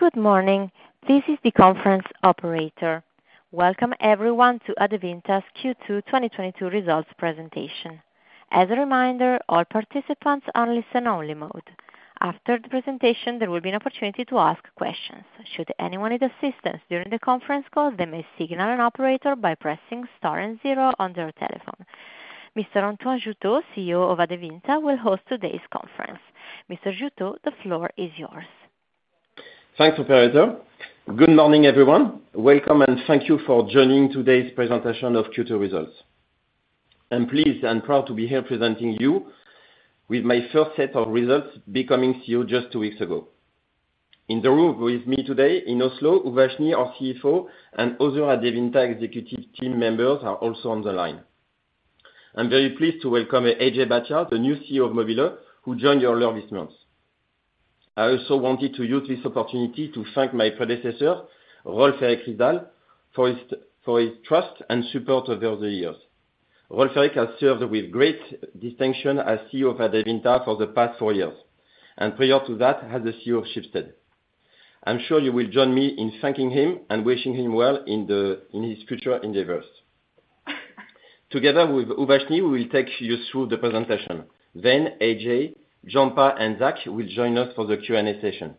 Good morning. This is the conference operator. Welcome everyone to Adevinta's Q2 2022 results presentation. As a reminder, all participants are in listen-only mode. After the presentation, there will be an opportunity to ask questions. Should anyone need assistance during the conference call, they may signal an operator by pressing Star and zero on their telephone. Mr. Antoine Jouteau, CEO of Adevinta, will host today's conference. Mr. Jouteau, the floor is yours. Thanks, operator. Good morning, everyone. Welcome, and thank you for joining today's presentation of Q2 results. I'm pleased and proud to be here presenting you with my first set of results becoming CEO just two weeks ago. In the room with me today in Oslo, Uvashni, our CFO, and other Adevinta executive team members are also on the line. I'm very pleased to welcome Ajay Bhatia, the new CEO of mobile.de, who joined earlier this month. I also wanted to use this opportunity to thank my predecessor, Rolv Erik Ryssdal, for his trust and support over the years. Rolv Erik has served with great distinction as CEO of Adevinta for the past four years, and prior to that, as the CEO of Schibsted. I'm sure you will join me in thanking him and wishing him well in his future endeavors. Together with Uvashni, we will take you through the presentation. Then Ajay, Gianpaolo, and Zac will join us for the Q&A session.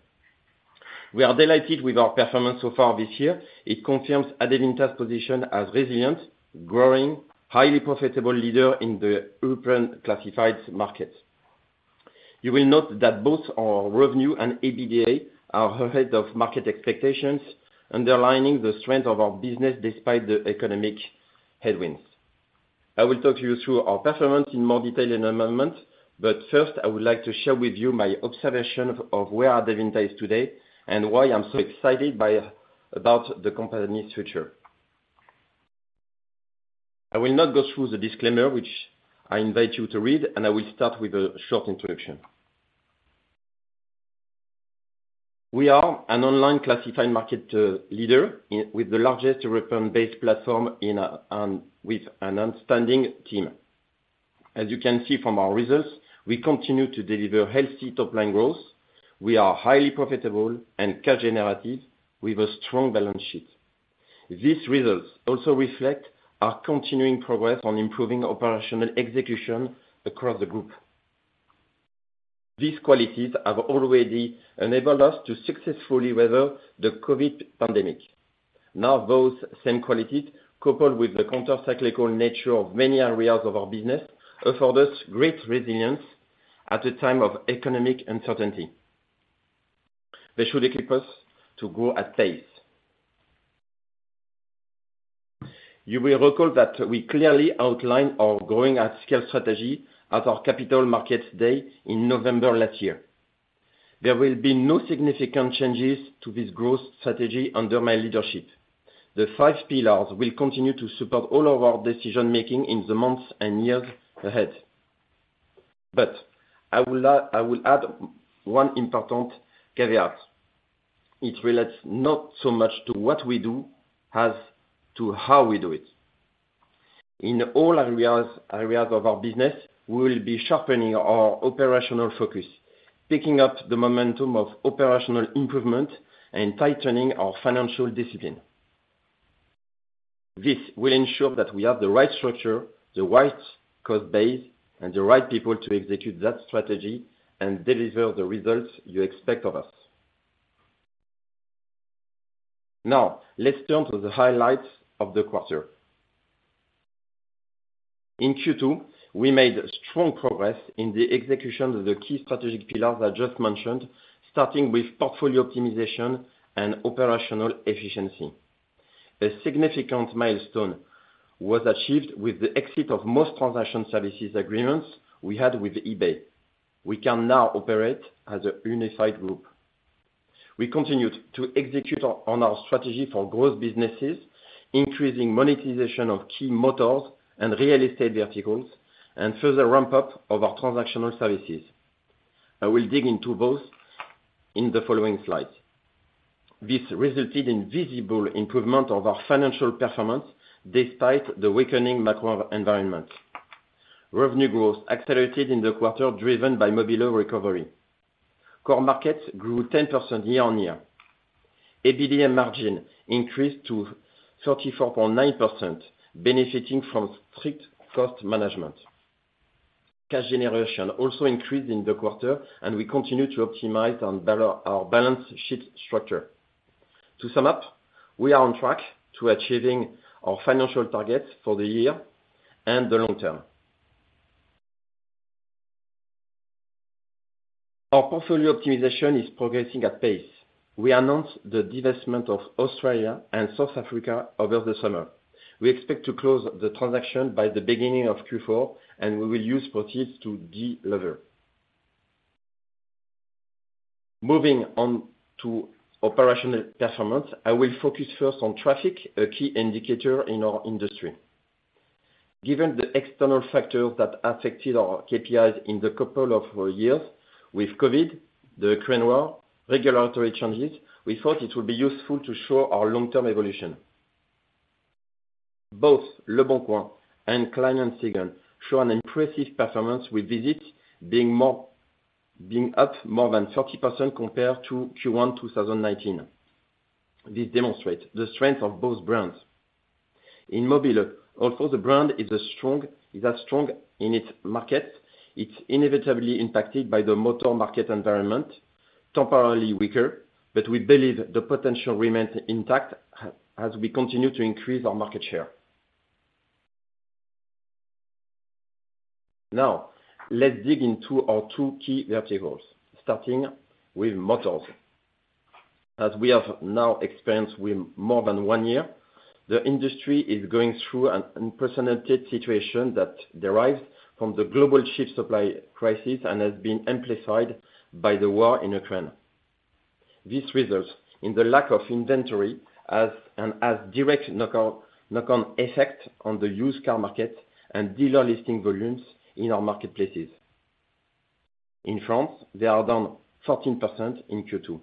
We are delighted with our performance so far this year. It confirms Adevinta's position as resilient, growing, highly profitable leader in the European classified markets. You will note that both our revenue and EBITDA are ahead of market expectations, underlining the strength of our business despite the economic headwinds. I will talk you through our performance in more detail in a moment, but first, I would like to share with you my observation of where Adevinta is today and why I'm so excited about the company's future. I will not go through the disclaimer, which I invite you to read, and I will start with a short introduction. We are an online classified market leader with the largest European-based platform with an outstanding team. As you can see from our results, we continue to deliver healthy top-line growth. We are highly profitable and cash generative with a strong balance sheet. These results also reflect our continuing progress on improving operational execution across the group. These qualities have already enabled us to successfully weather the COVID pandemic. Now, those same qualities, coupled with the counter-cyclical nature of many areas of our business, afford us great resilience at a time of economic uncertainty. They should equip us to grow at pace. You will recall that we clearly outlined our growing at scale strategy at our Capital Markets Day in November last year. There will be no significant changes to this growth strategy under my leadership. The five pillars will continue to support all of our decision-making in the months and years ahead. I will add one important caveat. It relates not so much to what we do, as to how we do it. In all areas of our business, we will be sharpening our operational focus, picking up the momentum of operational improvement, and tightening our financial discipline. This will ensure that we have the right structure, the right cost base, and the right people to execute that strategy and deliver the results you expect of us. Now, let's turn to the highlights of the quarter. In Q2, we made strong progress in the execution of the key strategic pillars I just mentioned, starting with portfolio optimization and operational efficiency. A significant milestone was achieved with the exit of most transaction services agreements we had with eBay. We can now operate as a unified group. We continued to execute on our strategy for growth businesses, increasing monetization of key Motors and Real Estate verticals, and further ramp up of our transactional services. I will dig into those in the following slides. This resulted in visible improvement of our financial performance despite the weakening macro environment. Revenue growth accelerated in the quarter, driven by mobile.de recovery. Core markets grew 10% year-on-year. EBITDA margin increased to 34.9%, benefiting from strict cost management. Cash generation also increased in the quarter, and we continue to optimize our balance sheet structure. To sum up, we are on track to achieving our financial targets for the year and the long term. Our portfolio optimization is progressing at pace. We announced the divestment of Australia and South Africa over the summer. We expect to close the transaction by the beginning of Q4, and we will use proceeds to delever. Moving on to operational performance, I will focus first on traffic, a key indicator in our industry. Given the external factors that affected our KPIs in the couple of years with COVID, the Ukraine war, regulatory changes, we thought it would be useful to show our long-term evolution. Both leboncoin and Kleinanzeigen show an impressive performance with visits being up more than 30% compared to Q1 2019. This demonstrates the strength of both brands. In mobile.de, although the brand is as strong in its market, it's inevitably impacted by the motor market environment, temporarily weaker. We believe the potential remains intact as we continue to increase our market share. Now, let's dig into our two key verticals, starting with Motors. As we have now experienced with more than one year, the industry is going through an unprecedented situation that derives from the global chip supply crisis and has been amplified by the war in Ukraine. This results in the lack of inventory, and has direct knock-on effect on the used car market and dealer listing volumes in our marketplaces. In France, they are down 14% in Q2.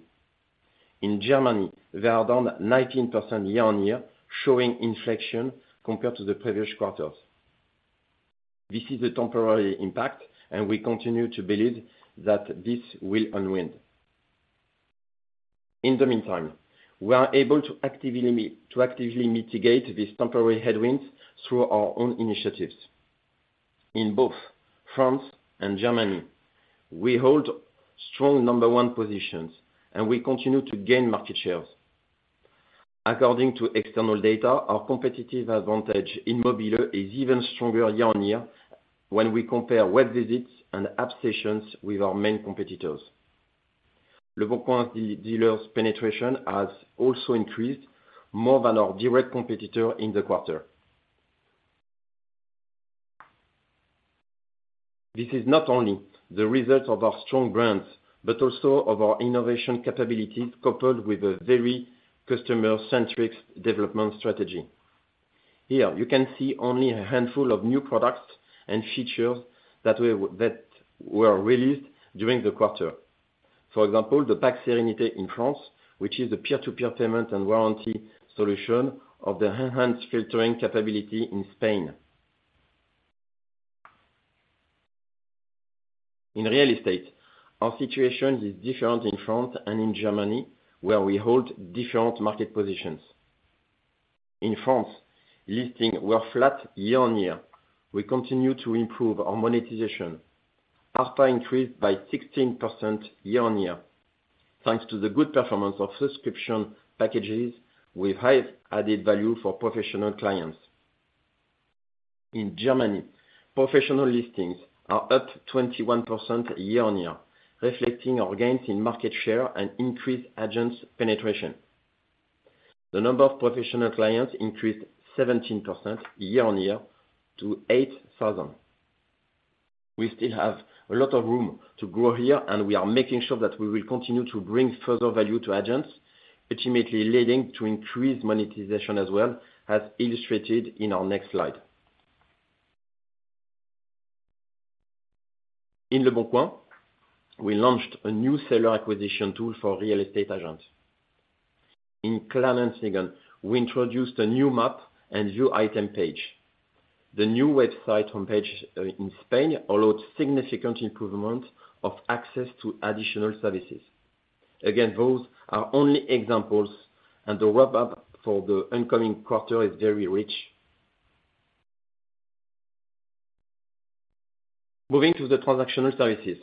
In Germany, they are down 19% year-on-year, showing inflection compared to the previous quarters. This is a temporary impact, and we continue to believe that this will unwind. In the meantime, we are able to actively mitigate these temporary headwinds through our own initiatives. In both France and Germany, we hold strong number one positions, and we continue to gain market shares. According to external data, our competitive advantage in mobile.de is even stronger year-over-year when we compare web visits and app sessions with our main competitors. leboncoin's dealer penetration has also increased more than our direct competitor in the quarter. This is not only the result of our strong brands, but also of our innovation capabilities coupled with a very customer-centric development strategy. Here you can see only a handful of new products and features that were released during the quarter. For example, the Pack Sérénité in France, which is a peer-to-peer payment and warranty solution of the enhanced filtering capability in Spain. In Real Estate, our situation is different in France and in Germany, where we hold different market positions. In France, listings were flat year-over-year. We continue to improve our monetization. ARPA increased by 16% year-on-year, thanks to the good performance of subscription packages with high added value for professional clients. In Germany, professional listings are up 21% year-on-year, reflecting our gains in market share and increased agents' penetration. The number of professional clients increased 17% year-on-year to 8,000. We still have a lot of room to grow here, and we are making sure that we will continue to bring further value to agents, ultimately leading to increased monetization as well, as illustrated in our next slide. In leboncoin, we launched a new seller acquisition tool for Real Estate agents. In Kleinanzeigen, we introduced a new map and view item page. The new website homepage in Spain allowed significant improvement of access to additional services. Again, those are only examples, and the wrap-up for the incoming quarter is very rich. Moving to the transactional services,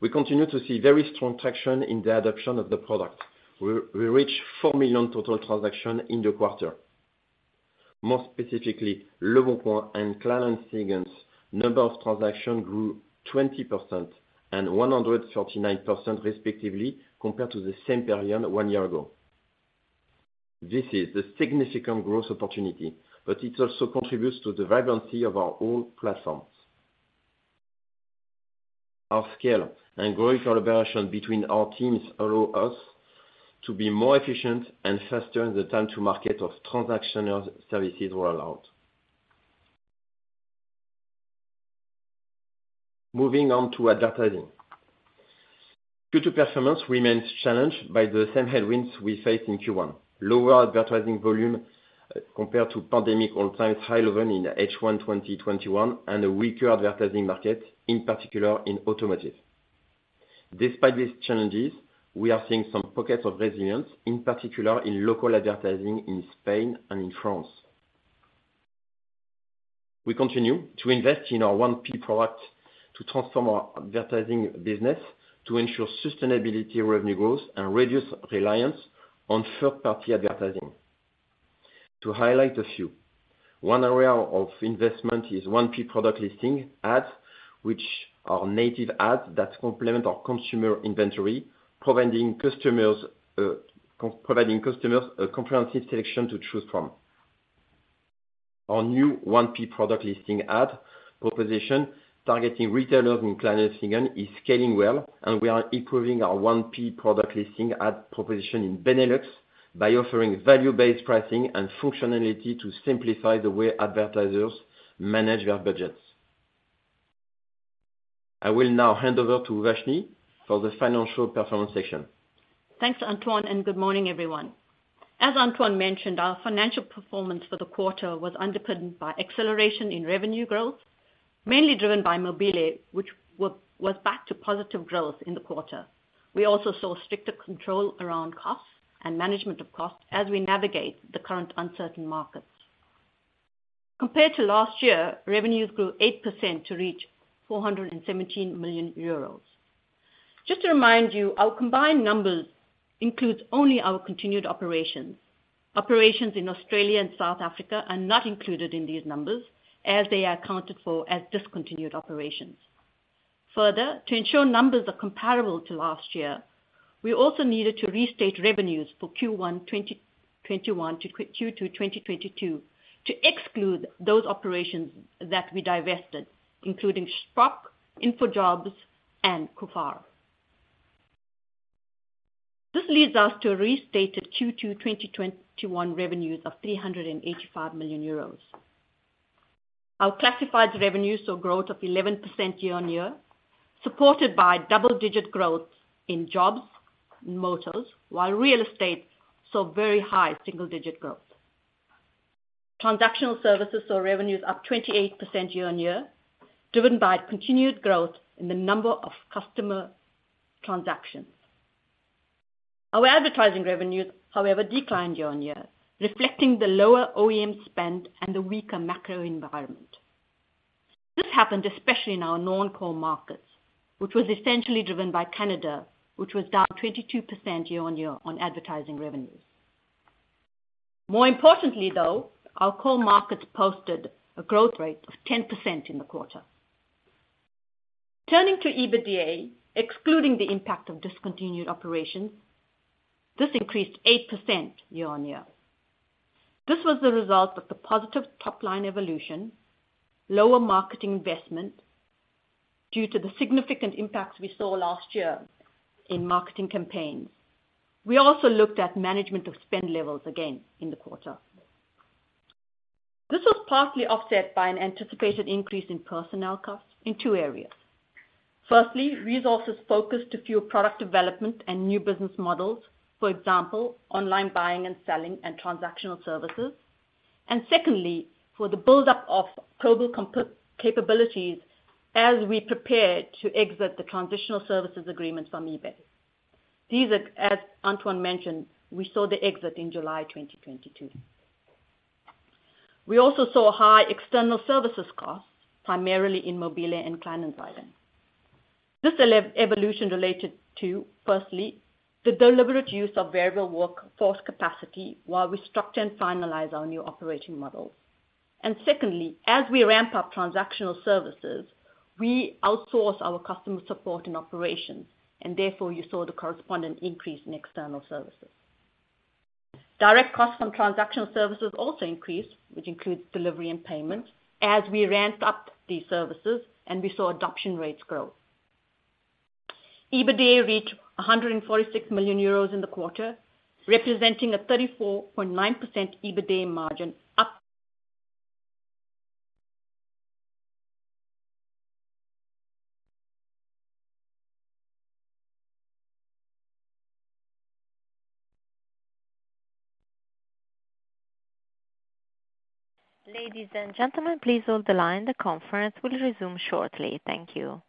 we continue to see very strong traction in the adoption of the product. We reached 4 million total transactions in the quarter. More specifically, leboncoin and Kleinanzeigen's number of transactions grew 20% and 139% respectively compared to the same period one year ago. This is the significant growth opportunity, but it also contributes to the vibrancy of our whole platforms. Our scale and growing collaboration between our teams allow us to be more efficient and faster in the time to market of transactional services we're allowed. Moving on to advertising. Q2 performance remains challenged by the same headwinds we faced in Q1. Lower advertising volume compared to pandemic all-time high level in H1 2021, and a weaker advertising market, in particular in automotive. Despite these challenges, we are seeing some pockets of resilience, in particular in local advertising in Spain and in France. We continue to invest in our 1P product to transform our advertising business to ensure sustainable revenue growth and reduce reliance on third-party advertising. To highlight a few, one area of investment is 1P product listing ads, which are native ads that complement our consumer inventory, providing customers a comprehensive selection to choose from. Our new 1P product listing ad proposition targeting retailers in Kleinanzeigen is scaling well, and we are improving our 1P product listing ad proposition in Benelux by offering value-based pricing and functionality to simplify the way advertisers manage their budgets. I will now hand over to Uvashni for the financial performance section. Thanks, Antoine, and good morning, everyone. As Antoine mentioned, our financial performance for the quarter was underpinned by acceleration in revenue growth, mainly driven by mobile.de, which was back to positive growth in the quarter. We also saw stricter control around costs and management of costs as we navigate the current uncertain markets. Compared to last year, revenues grew 8% to reach 417 million euros. Just to remind you, our combined numbers includes only our continued operations. Operations in Australia and South Africa are not included in these numbers as they are accounted for as discontinued operations. Further, to ensure numbers are comparable to last year, we also needed to restate revenues for Q1 2021 to Q2 2022 to exclude those operations that we divested, including Shpock, InfoJobs, and Kufar. This leads us to a restated Q2 2021 revenues of 385 million euros. Our classified revenues saw growth of 11% year-on-year, supported by double-digit growth in Jobs, Motors, while Real Estate saw very high single-digit growth. Transactional services saw revenues up 28% year-on-year, driven by continued growth in the number of customer transactions. Our advertising revenues, however, declined year-on-year, reflecting the lower OEM spend and the weaker macro environment. This happened especially in our non-core markets, which was essentially driven by Canada, which was down 22% year-on-year on advertising revenues. More importantly, though, our core markets posted a growth rate of 10% in the quarter. Turning to EBITDA, excluding the impact of discontinued operations, this increased 8% year-on-year. This was the result of the positive top-line evolution, lower marketing investment due to the significant impacts we saw last year in marketing campaigns. We also looked at management of spend levels again in the quarter. This was partly offset by an anticipated increase in personnel costs in two areas. Firstly, resources focused to fuel product development and new business models, for example, online buying and selling and transactional services. Secondly, for the buildup of global capabilities as we prepare to exit the transitional services agreements from eBay. These are, as Antoine mentioned, we saw the exit in July 2022. We also saw high external services costs, primarily in mobile.de and Kleinanzeigen. This evolution related to, firstly, the deliberate use of variable workforce capacity while we structure and finalize our new operating models. Secondly, as we ramp up transactional services, we outsource our customer support and operations, and therefore, you saw the corresponding increase in external services. Direct costs from transactional services also increased, which includes delivery and payments, as we ramped up these services, and we saw adoption rates grow. EBITDA reached 146 million euros in the quarter, representing a 34.9% EBITDA margin. Ladies and gentlemen, please hold the line. The conference will resume shortly. Thank you.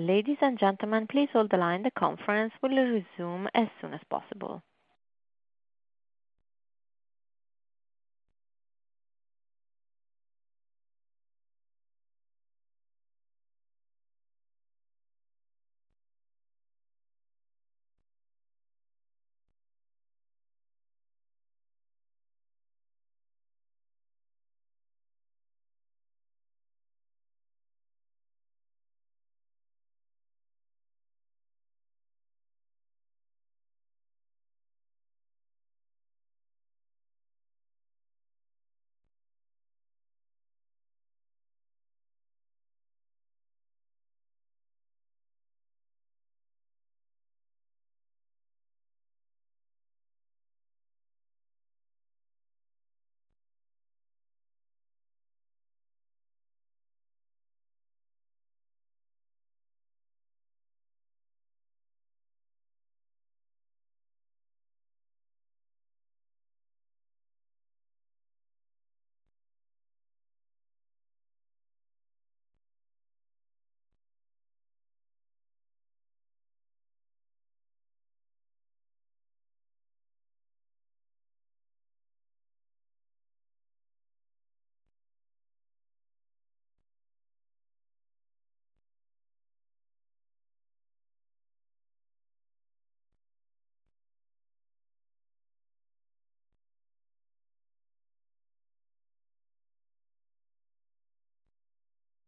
Ladies and gentlemen, please hold the line. The conference will resume as soon as possible.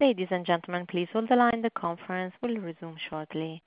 Ladies and gentlemen, please hold the line. The conference will resume shortly.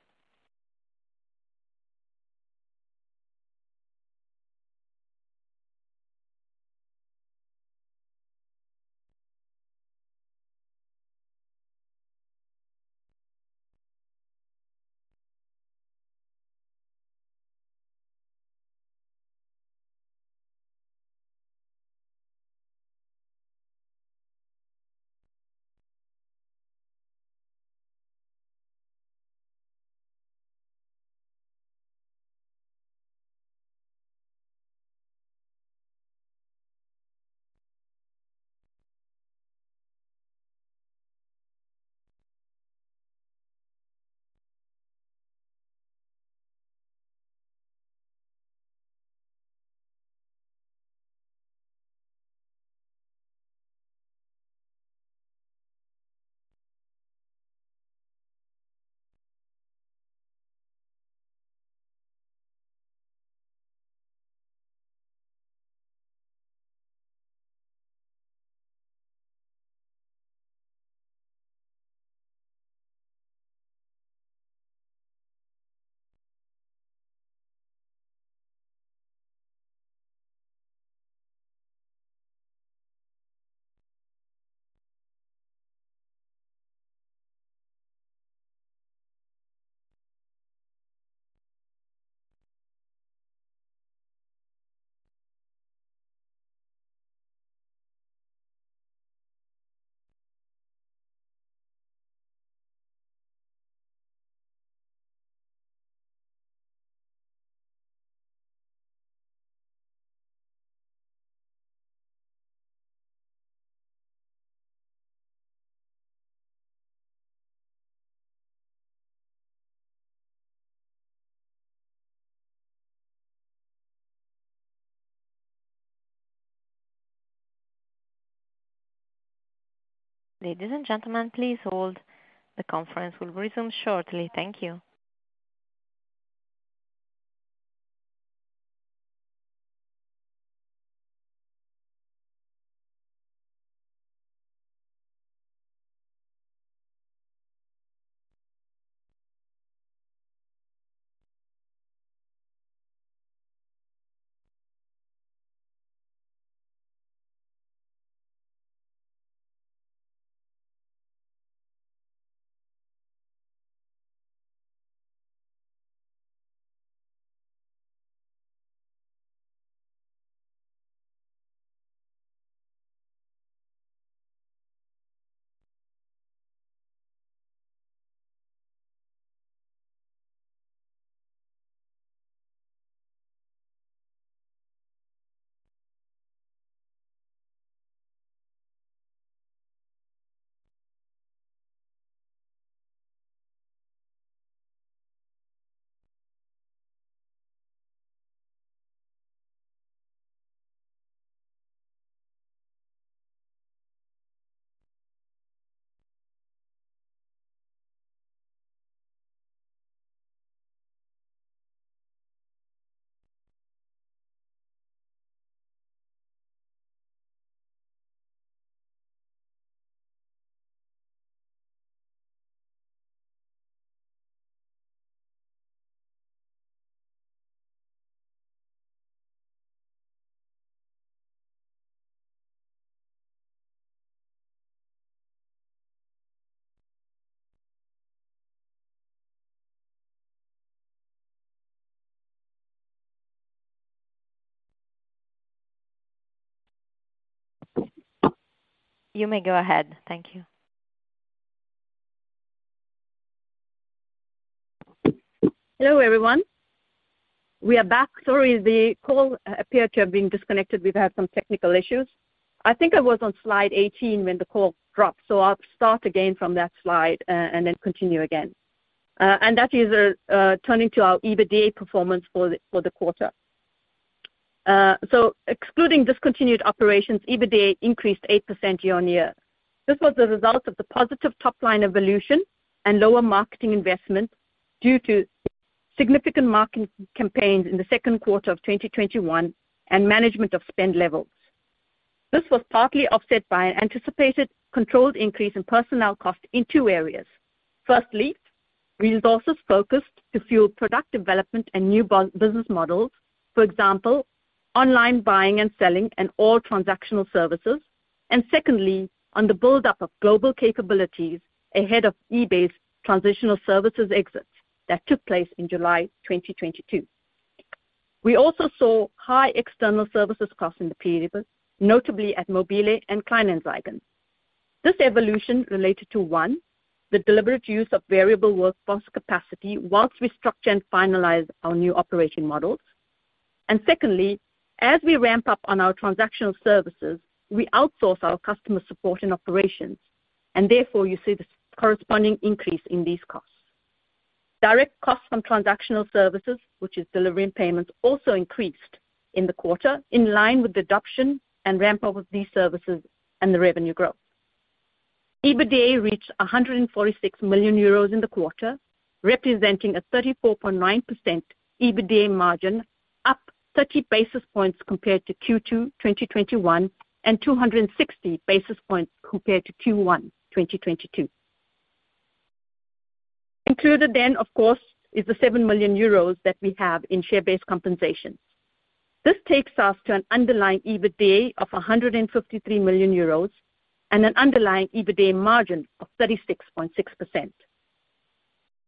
Ladies and gentlemen, please hold. The conference will resume shortly. Thank you. You may go ahead. Thank you. Hello, everyone. We are back. Sorry, the call appeared to have been disconnected. We've had some technical issues. I think I was on slide 18 when the call dropped. I'll start again from that slide, and then continue again. That is, turning to our EBITDA performance for the quarter. Excluding discontinued operations, EBITDA increased 8% year-on-year. This was the result of the positive top line evolution and lower marketing investment due to significant marketing campaigns in the second quarter of 2021 and management of spend levels. This was partly offset by an anticipated controlled increase in personnel costs in two areas. Firstly, resources focused to fuel product development and new business models, for example, online buying and selling and all transactional services. Secondly, on the buildup of global capabilities ahead of eBay's transitional services exit that took place in July 2022. We also saw high external services costs in the period, notably at mobile.de and Kleinanzeigen. This evolution related to, one, the deliberate use of variable workforce capacity while we structure and finalize our new operating models. Secondly, as we ramp up on our transactional services, we outsource our customer support and operations, and therefore you see the corresponding increase in these costs. Direct costs from transactional services, which is delivery and payments, also increased in the quarter in line with the adoption and ramp-up of these services and the revenue growth. EBITDA reached 146 million euros in the quarter, representing a 34.9% EBITDA margin, up 30 basis points compared to Q2 2021, and 260 basis points compared to Q1 2022. Included then, of course, is the 7 million euros that we have in share-based compensation. This takes us to an underlying EBITDA of 153 million euros and an underlying EBITDA margin of 36.6%.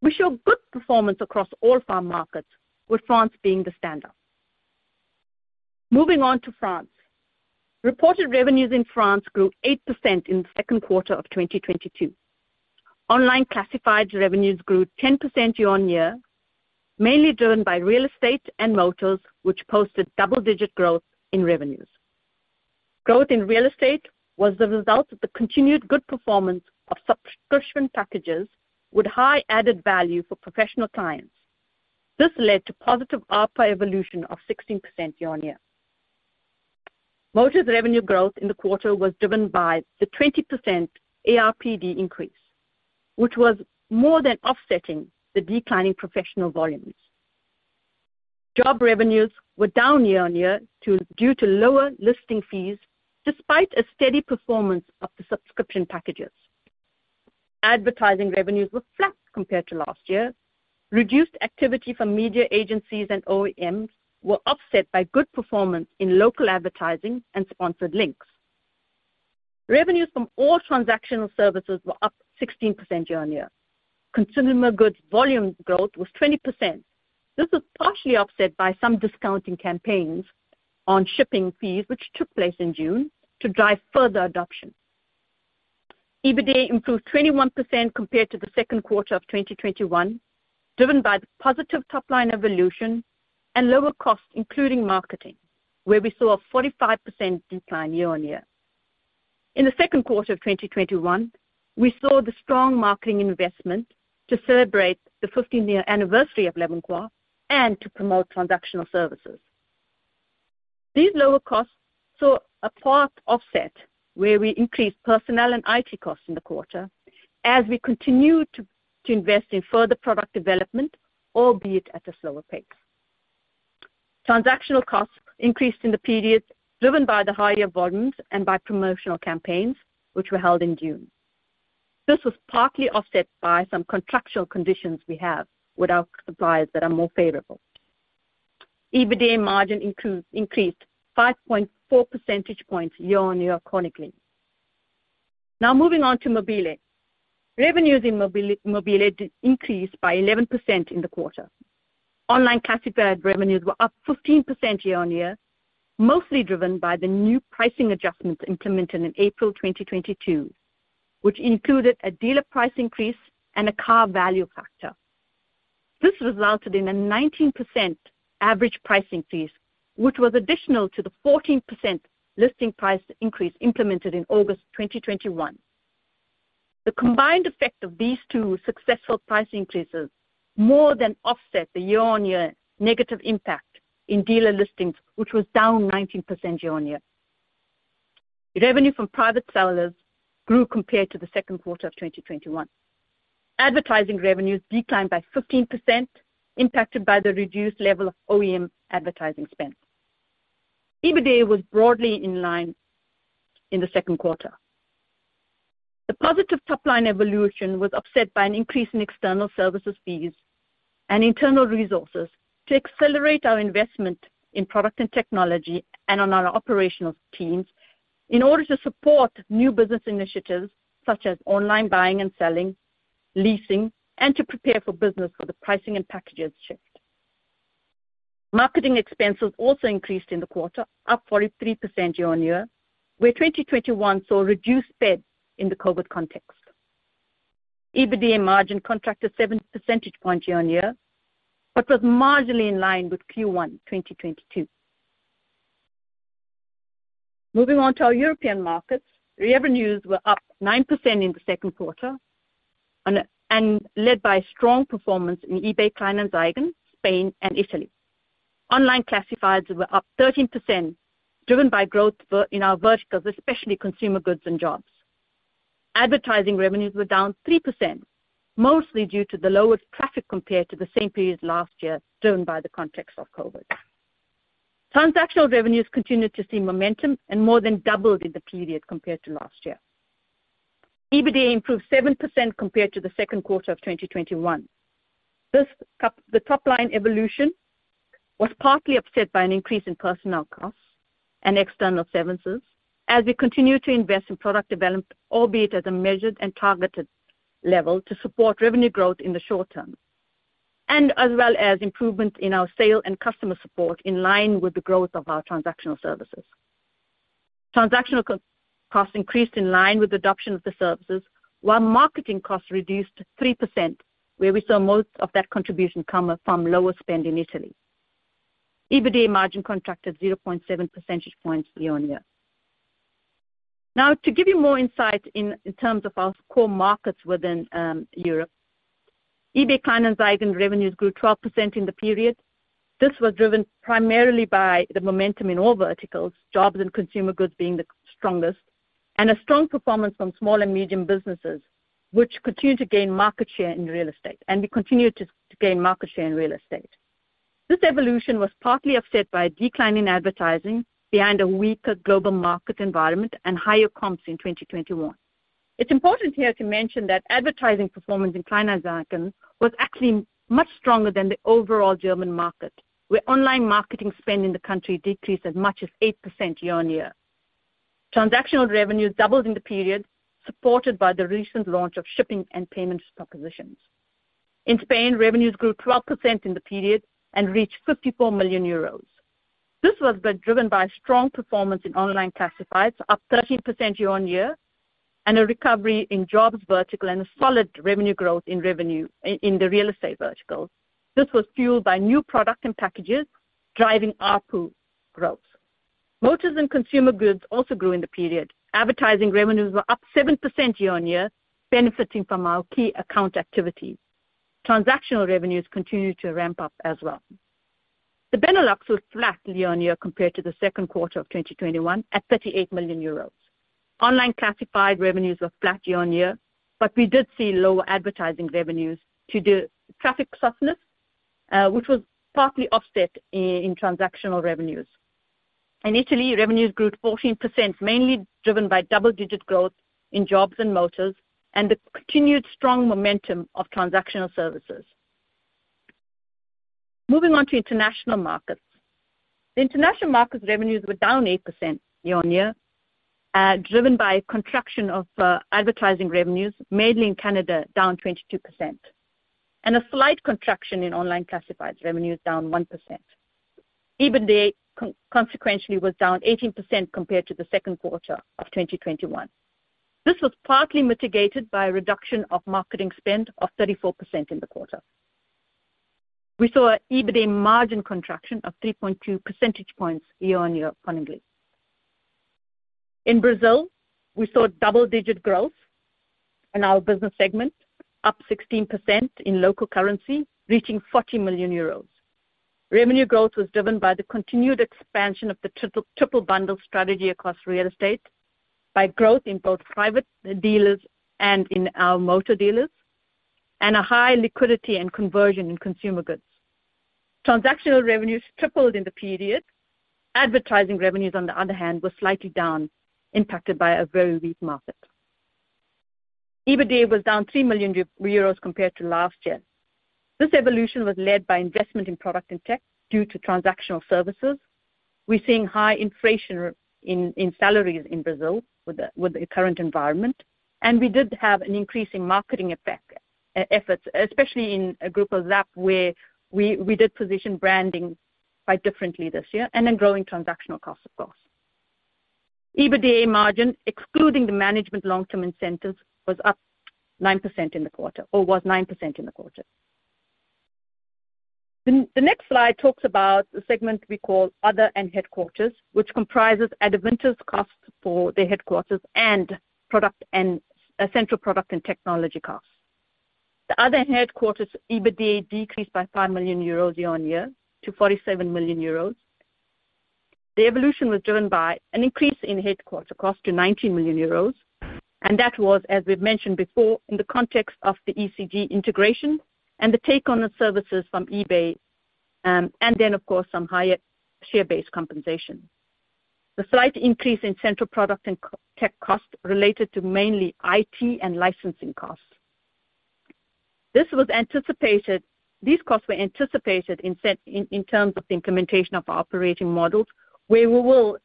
We show good performance across all four markets, with France being the standout. Moving on to France. Reported revenues in France grew 8% in the second quarter of 2022. Online classified revenues grew 10% year-on-year, mainly driven by Real Estate and Motors, which posted double-digit growth in revenues. Growth in Real Estate was the result of the continued good performance of subscription packages with high added value for professional clients. This led to positive ARPA evolution of 16% year-on-year. Motors revenue growth in the quarter was driven by the 20% ARPD increase, which was more than offsetting the declining professional volumes. Job revenues were down year-on-year, due to lower listing fees despite a steady performance of the subscription packages. Advertising revenues were flat compared to last year. Reduced activity from media agencies and OEMs were offset by good performance in local advertising and sponsored links. Revenues from all transactional services were up 16% year-on-year. Consumer Goods volume growth was 20%. This was partially offset by some discounting campaigns on shipping fees, which took place in June to drive further adoption. EBITDA improved 21% compared to the second quarter of 2021, driven by the positive top-line evolution and lower costs, including marketing, where we saw a 45% decline year-on-year. In the second quarter of 2021, we saw the strong marketing investment to celebrate the 15-year anniversary of leboncoin and to promote transactional services. These lower costs saw a partial offset where we increased personnel and IT costs in the quarter as we continued to invest in further product development, albeit at a slower pace. Transactional costs increased in the period driven by the higher volumes and by promotional campaigns which were held in June. This was partly offset by some contractual conditions we have with our suppliers that are more favorable. EBITDA margin increased 5.4 percentage points year-on-year. Now moving on to mobile.de. Revenues in mobile.de increased by 11% in the quarter. Online classified revenues were up 15% year-over-year, mostly driven by the new pricing adjustments implemented in April 2022, which included a dealer price increase and a car value factor. This resulted in a 19% average pricing fees, which was additional to the 14% listing price increase implemented in August 2021. The combined effect of these two successful price increases more than offset the year-over-year negative impact in dealer listings, which was down 19% year-over-year. Revenue from private sellers grew compared to the second quarter of 2021. Advertising revenues declined by 15%, impacted by the reduced level of OEM advertising spend. EBITDA was broadly in line in the second quarter. The positive top-line evolution was offset by an increase in external services fees and internal resources to accelerate our investment in product and technology and on our operational teams in order to support new business initiatives such as online buying and selling, leasing, and to prepare for business for the pricing and packages shift. Marketing expenses also increased in the quarter, up 43% year-on-year, where 2021 saw reduced spend in the COVID context. EBITDA margin contracted 7 percentage points year-on-year, but was marginally in line with Q1 2022. Moving on to our European markets. Revenues were up 9% in the second quarter and led by strong performance in eBay Kleinanzeigen, Spain, and Italy. Online classifieds were up 13%, driven by growth in our verticals, especially Consumer Goods and Jobs. Advertising revenues were down 3%, mostly due to the lowest traffic compared to the same period last year, driven by the context of COVID. Transactional revenues continued to see momentum and more than doubled in the period compared to last year. EBITDA improved 7% compared to the second quarter of 2021. The top-line evolution was partly offset by an increase in personnel costs and external services as we continue to invest in product development, albeit at a measured and targeted level to support revenue growth in the short term, and as well as improvements in our sales and customer support in line with the growth of our transactional services. Transactional costs increased in line with adoption of the services, while marketing costs reduced 3%, where we saw most of that contribution come from lower spend in Italy. EBITDA margin contracted 0.7 percentage points year-on-year. Now, to give you more insight in terms of our core markets within Europe. eBay Kleinanzeigen revenues grew 12% in the period. This was driven primarily by the momentum in all verticals, Jobs and Consumer Goods being the strongest, and a strong performance from small and medium businesses, which continue to gain market share in Real Estate. We continue to gain market share in Real Estate. This evolution was partly offset by a decline in advertising behind a weaker global market environment and higher comps in 2021. It's important here to mention that advertising performance in Kleinanzeigen was actually much stronger than the overall German market, where online marketing spend in the country decreased as much as 8% year-on-year. Transactional revenues doubled in the period, supported by the recent launch of shipping and payments propositions. In Spain, revenues grew 12% in the period and reached 54 million euros. This was being driven by strong performance in online classifieds, up 13% year-on-year, and a recovery in Jobs vertical and a solid revenue growth in the Real Estate verticals. This was fueled by new products and packages driving ARPU growth. Motors and Consumer Goods also grew in the period. Advertising revenues were up 7% year-on-year, benefiting from our key account activities. Transactional revenues continued to ramp up as well. The Benelux was flat year-on-year compared to the second quarter of 2021 at 38 million euros. Online classified revenues were flat year-on-year, but we did see lower advertising revenues due to traffic softness, which was partly offset in transactional revenues. In Italy, revenues grew 14%, mainly driven by double-digit growth in Jobs and Motors and the continued strong momentum of transactional services. Moving on to international markets. The international markets revenues were down 8% year-on-year, driven by a contraction of advertising revenues, mainly in Canada, down 22%, and a slight contraction in online classifieds revenues, down 1%. EBITDA consequentially was down 18% compared to the second quarter of 2021. This was partly mitigated by a reduction of marketing spend of 34% in the quarter. We saw an EBITDA margin contraction of 3.2 percentage points year-on-year, accordingly. In Brazil, we saw double-digit growth in our business segment, up 16% in local currency, reaching 40 million euros. Revenue growth was driven by the continued expansion of the triple bundle strategy across Real Estate by growth in both private dealers and in our motor dealers, and a high liquidity and conversion in Consumer Goods. Transactional revenues tripled in the period. Advertising revenues, on the other hand, were slightly down, impacted by a very weak market. EBITDA was down 3 million euros compared to last year. This evolution was led by investment in product and tech due to transactional services. We're seeing high inflation in salaries in Brazil with the current environment. We did have an increase in marketing efforts, especially in Grupo ZAP, where we did position branding quite differently this year, and then growing transactional costs, of course. EBITDA margin, excluding the management long-term incentives, was up 9% in the quarter or was 9% in the quarter. The next slide talks about the segment we call Other and Headquarters, which comprises Adevinta's costs for the headquarters and product and tech costs. The Other and Headquarters EBITDA decreased by 5 million euros year-on-year to 47 million euros. The evolution was driven by an increase in headquarters cost to 19 million euros, and that was, as we've mentioned before, in the context of the eCG integration and the take on the services from eBay, and then of course some higher share-based compensation. The slight increase in central product and tech costs related mainly to IT and licensing costs. This was anticipated. These costs were anticipated in terms of the implementation of our operating models, where we will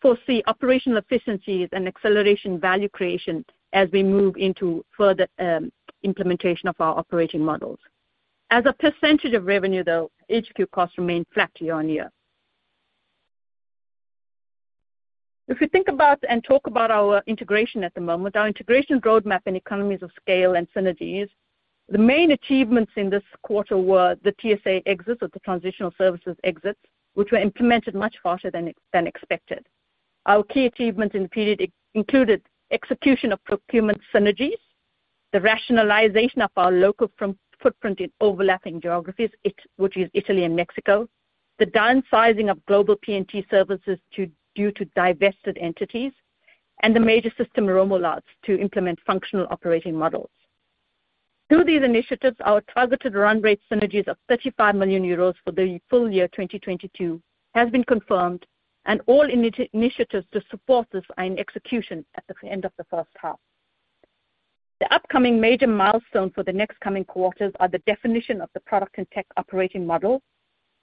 foresee operational efficiencies and accelerating value creation as we move into further implementation of our operating models. As a percentage of revenue, though, HQ costs remain flat year-on-year. If we think about and talk about our integration at the moment, our integration roadmap and economies of scale and synergies, the main achievements in this quarter were the TSA exits or the transitional services exits, which were implemented much faster than expected. Our key achievements in the period included execution of procurement synergies, the rationalization of our local footprint in overlapping geographies, which is Italy and Mexico, the downsizing of global P&T services due to divested entities, and the major system rollouts to implement functional operating models. Through these initiatives, our targeted run rate synergies of 35 million euros for the full year 2022 has been confirmed and all initiatives to support this are in execution at the end of the first half. The upcoming major milestones for the next coming quarters are the definition of the product and tech operating model,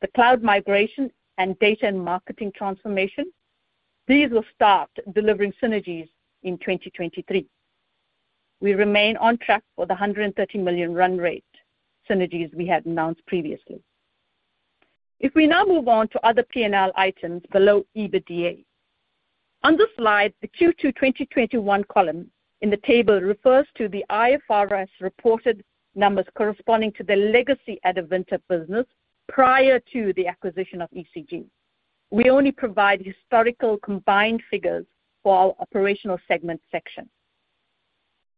the cloud migration, and data and marketing transformation. These will start delivering synergies in 2023. We remain on track for the 130 million run rate synergies we had announced previously. If we now move on to other P&L items below EBITDA. On this slide, the Q2 2021 column in the table refers to the IFRS reported numbers corresponding to the legacy Adevinta business. Prior to the acquisition of eCG, we only provide historical combined figures for our operational segment section.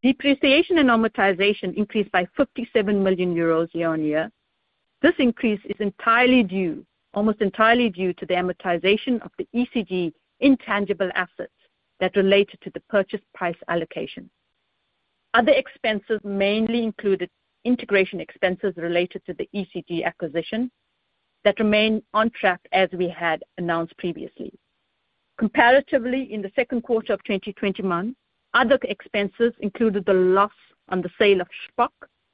Depreciation and amortization increased by 57 million euros year-on-year. This increase is almost entirely due to the amortization of the eCG intangible assets that related to the purchase price allocation. Other expenses mainly included integration expenses related to the eCG acquisition that remain on track as we had announced previously. Comparatively, in the second quarter of 2021, other expenses included the loss on the sale of Shpock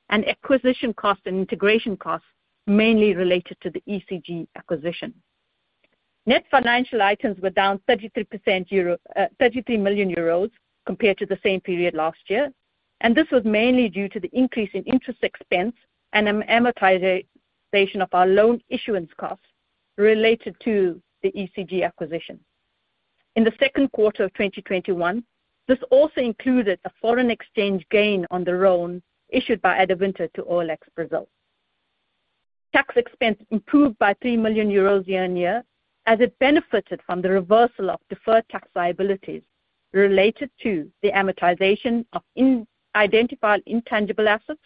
and acquisition costs and integration costs mainly related to the eCG acquisition. Net financial items were down 33% 33 million euros compared to the same period last year, and this was mainly due to the increase in interest expense and amortization of our loan issuance costs related to the eCG acquisition. In the second quarter of 2021, this also included a foreign exchange gain on the loan issued by Adevinta to OLX Brazil. Tax expense improved by 3 million euros year-on-year as it benefited from the reversal of deferred tax liabilities related to the amortization of in-identified intangible assets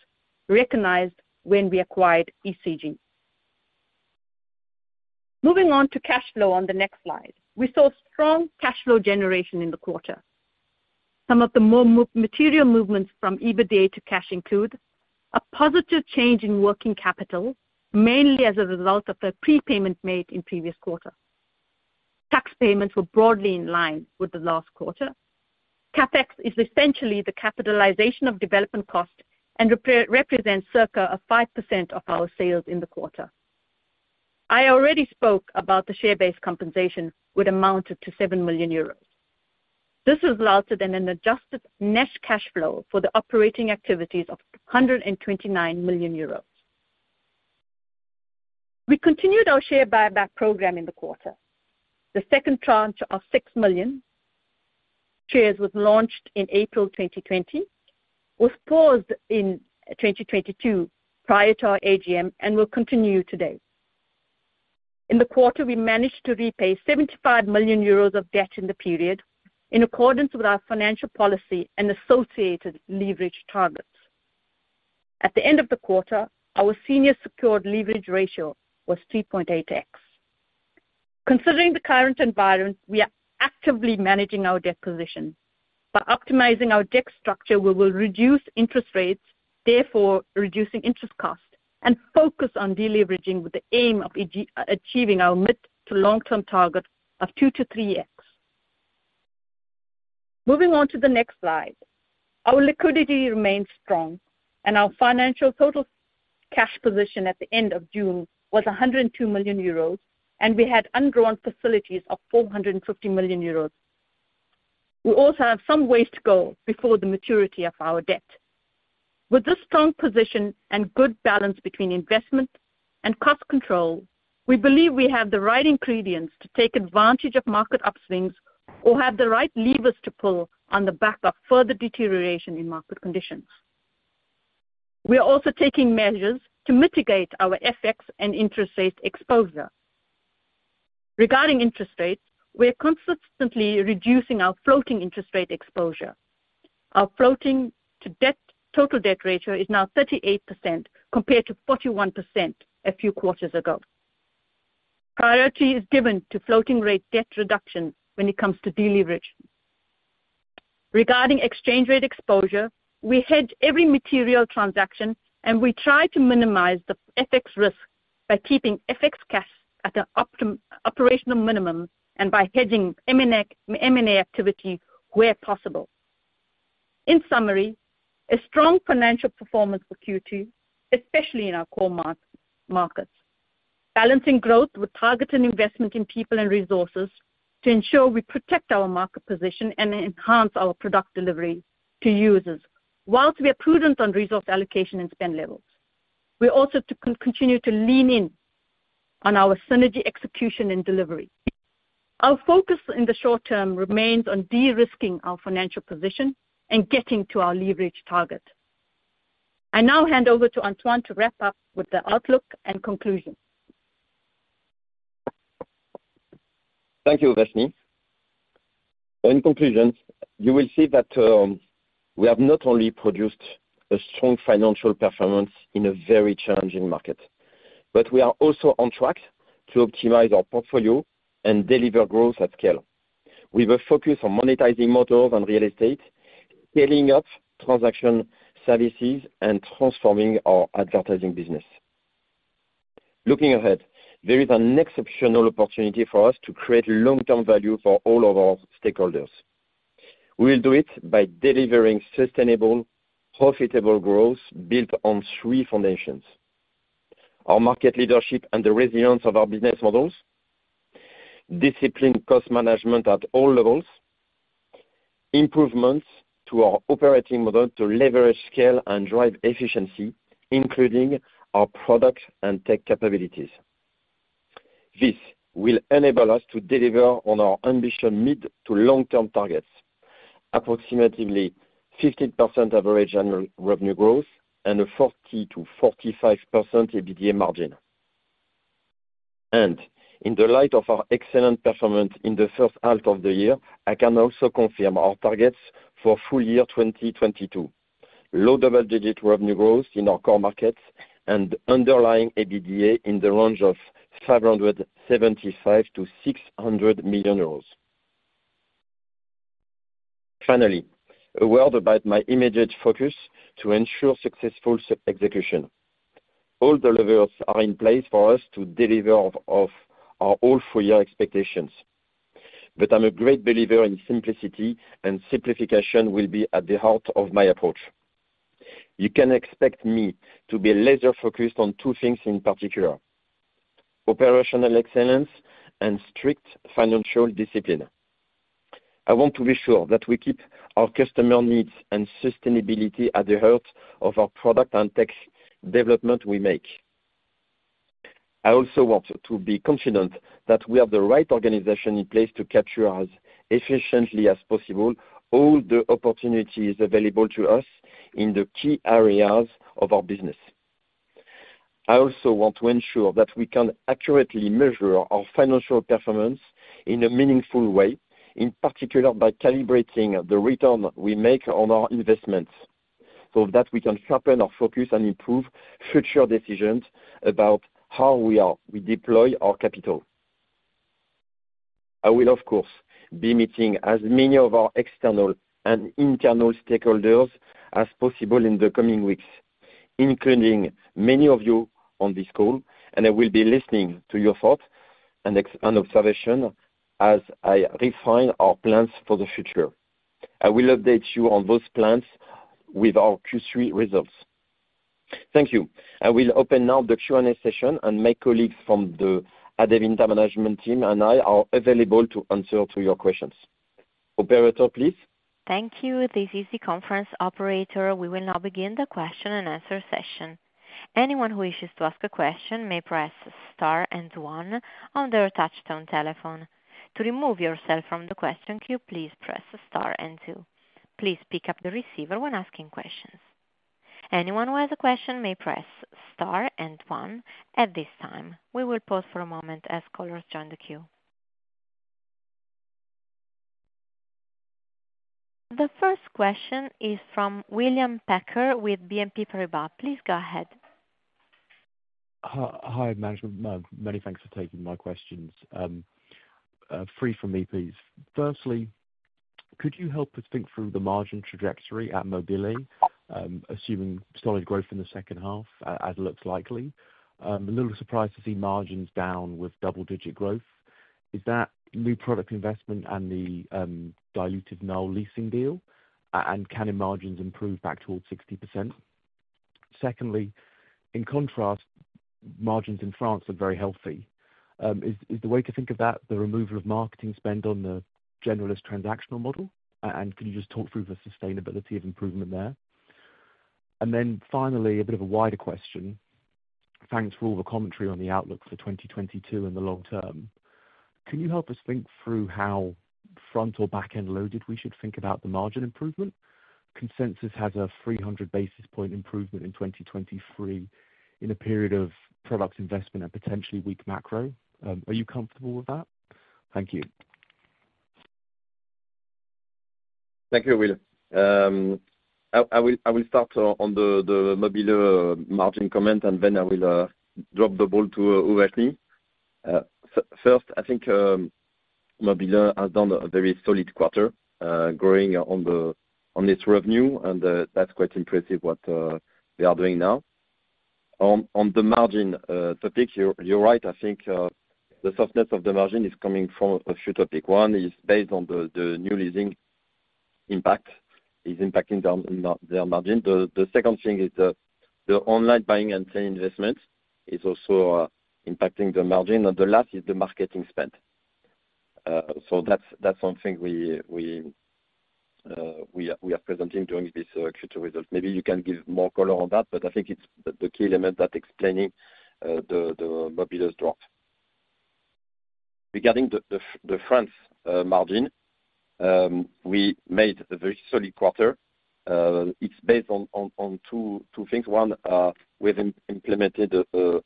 recognized when we acquired eCG. Moving on to cash flow on the next slide. We saw strong cash flow generation in the quarter. Some of the more material movements from EBITDA to cash include a positive change in working capital, mainly as a result of the prepayment made in previous quarter. Tax payments were broadly in line with the last quarter. CapEx is essentially the capitalization of development costs and represents circa 5% of our sales in the quarter. I already spoke about the share-based compensation, which amounted to 7 million euros. This has resulted in an adjusted net cash flow for the operating activities of 129 million euros. We continued our share buyback program in the quarter. The second tranche of 6 million shares was launched in April 2020, was paused in 2022 prior to our AGM and will continue today. In the quarter, we managed to repay 75 million euros of debt in the period in accordance with our financial policy and associated leverage targets. At the end of the quarter, our senior secured leverage ratio was 3.8x. Considering the current environment, we are actively managing our debt position. By optimizing our debt structure, we will reduce interest rates, therefore reducing interest costs, and focus on deleveraging with the aim of achieving our mid to long-term target of 2x-3x. Moving on to the next slide. Our liquidity remains strong and our financial total cash position at the end of June was 102 million euros, and we had undrawn facilities of 450 million euros. We also have some ways to go before the maturity of our debt. With this strong position and good balance between investment and cost control, we believe we have the right ingredients to take advantage of market upswings or have the right levers to pull on the back of further deterioration in market conditions. We are also taking measures to mitigate our FX and interest rate exposure. Regarding interest rates, we are consistently reducing our floating interest rate exposure. Our floating-to-debt, total debt ratio is now 38% compared to 41% a few quarters ago. Priority is given to floating rate debt reduction when it comes to deleverage. Regarding exchange rate exposure, we hedge every material transaction, and we try to minimize the FX risk by keeping FX cash at an operational minimum and by hedging M&A activity where possible. In summary, a strong financial performance for Q2, especially in our core markets. Balancing growth with targeted investment in people and resources to ensure we protect our market position and enhance our product delivery to users, while we are prudent on resource allocation and spend levels. We also continue to lean in on our synergy execution and delivery. Our focus in the short term remains on de-risking our financial position and getting to our leverage target. I now hand over to Antoine to wrap up with the outlook and conclusion. Thank you, Uvashni. In conclusion, you will see that we have not only produced a strong financial performance in a very challenging market, but we are also on track to optimize our portfolio and deliver growth at scale. We will focus on monetizing models and Real Estate, scaling up transaction services, and transforming our advertising business. Looking ahead, there is an exceptional opportunity for us to create long-term value for all of our stakeholders. We'll do it by delivering sustainable, profitable growth built on three foundations. Our market leadership and the resilience of our business models, discipline cost management at all levels, improvements to our operating model to leverage scale and drive efficiency, including our product and tech capabilities. This will enable us to deliver on our ambition mid to long-term targets, approximately 15% average annual revenue growth and a 40%-45% EBITDA margin. In the light of our excellent performance in the first half of the year, I can also confirm our targets for full year 2022. Low double-digit revenue growth in our core markets and underlying EBITDA in the range of 575 million-600 million euros. Finally, a word about my immediate focus to ensure successful execution. All the levers are in place for us to deliver on our full year expectations. I'm a great believer in simplicity, and simplification will be at the heart of my approach. You can expect me to be laser-focused on two things in particular, operational excellence and strict financial discipline. I want to be sure that we keep our customer needs and sustainability at the heart of our product and tech development we make. I also want to be confident that we have the right organization in place to capture as efficiently as possible all the opportunities available to us in the key areas of our business. I also want to ensure that we can accurately measure our financial performance in a meaningful way, in particular by calibrating the return we make on our investments, so that we can sharpen our focus and improve future decisions about how we deploy our capital. I will, of course, be meeting as many of our external and internal stakeholders as possible in the coming weeks, including many of you on this call, and I will be listening to your thoughts and expectations and observations as I refine our plans for the future. I will update you on those plans with our Q3 results. Thank you. I will open now the Q&A session, and my colleagues from the Adevinta management team and I are available to answer to your questions. Operator, please. Thank you. This is the conference operator. We will now begin the question-and-answer session. Anyone who wishes to ask a question may press star and one on their touchtone telephone. To remove yourself from the question queue, please press star and two. Please pick up the receiver when asking questions. Anyone who has a question may press star and one at this time. We will pause for a moment as callers join the queue. The first question is from William Packer with BNP Paribas. Please go ahead. Hi, management. Many thanks for taking my questions. Three from me, please. Firstly, could you help us think through the margin trajectory at mobile.de, assuming solid growth in the second half, as looks likely? A little surprised to see margins down with double-digit growth. Is that new product investment and the diluted new leasing deal, and can margins improve back towards 60%? Secondly, in contrast, margins in France are very healthy. Is the way to think about the removal of marketing spend on the generalist transactional model? And can you just talk through the sustainability of improvement there? Finally, a bit of a wider question. Thanks for all the commentary on the outlook for 2022 and the long term. Can you help us think through how front or back-end loaded we should think about the margin improvement? Consensus has a 300 basis point improvement in 2023 in a period of product investment and potentially weak macro. Are you comfortable with that? Thank you. Thank you, Will. I will start on the mobile.de margin comment, and then I will drop the ball to Uvashni. First, I think mobile.de has done a very solid quarter, growing on its revenue, and that's quite impressive what they are doing now. On the margin topic, you're right. I think the softness of the margin is coming from a few topic. One is based on the new leasing impact, is impacting down their margin. The second thing is the online buying and selling investment is also impacting the margin. And the last is the marketing spend. So that's something we are presenting during this Q2 result. Maybe you can give more color on that, but I think it's the key element that's explaining the mobile.de's drop. Regarding the French margin, we made a very solid quarter. It's based on two things. One, we've implemented a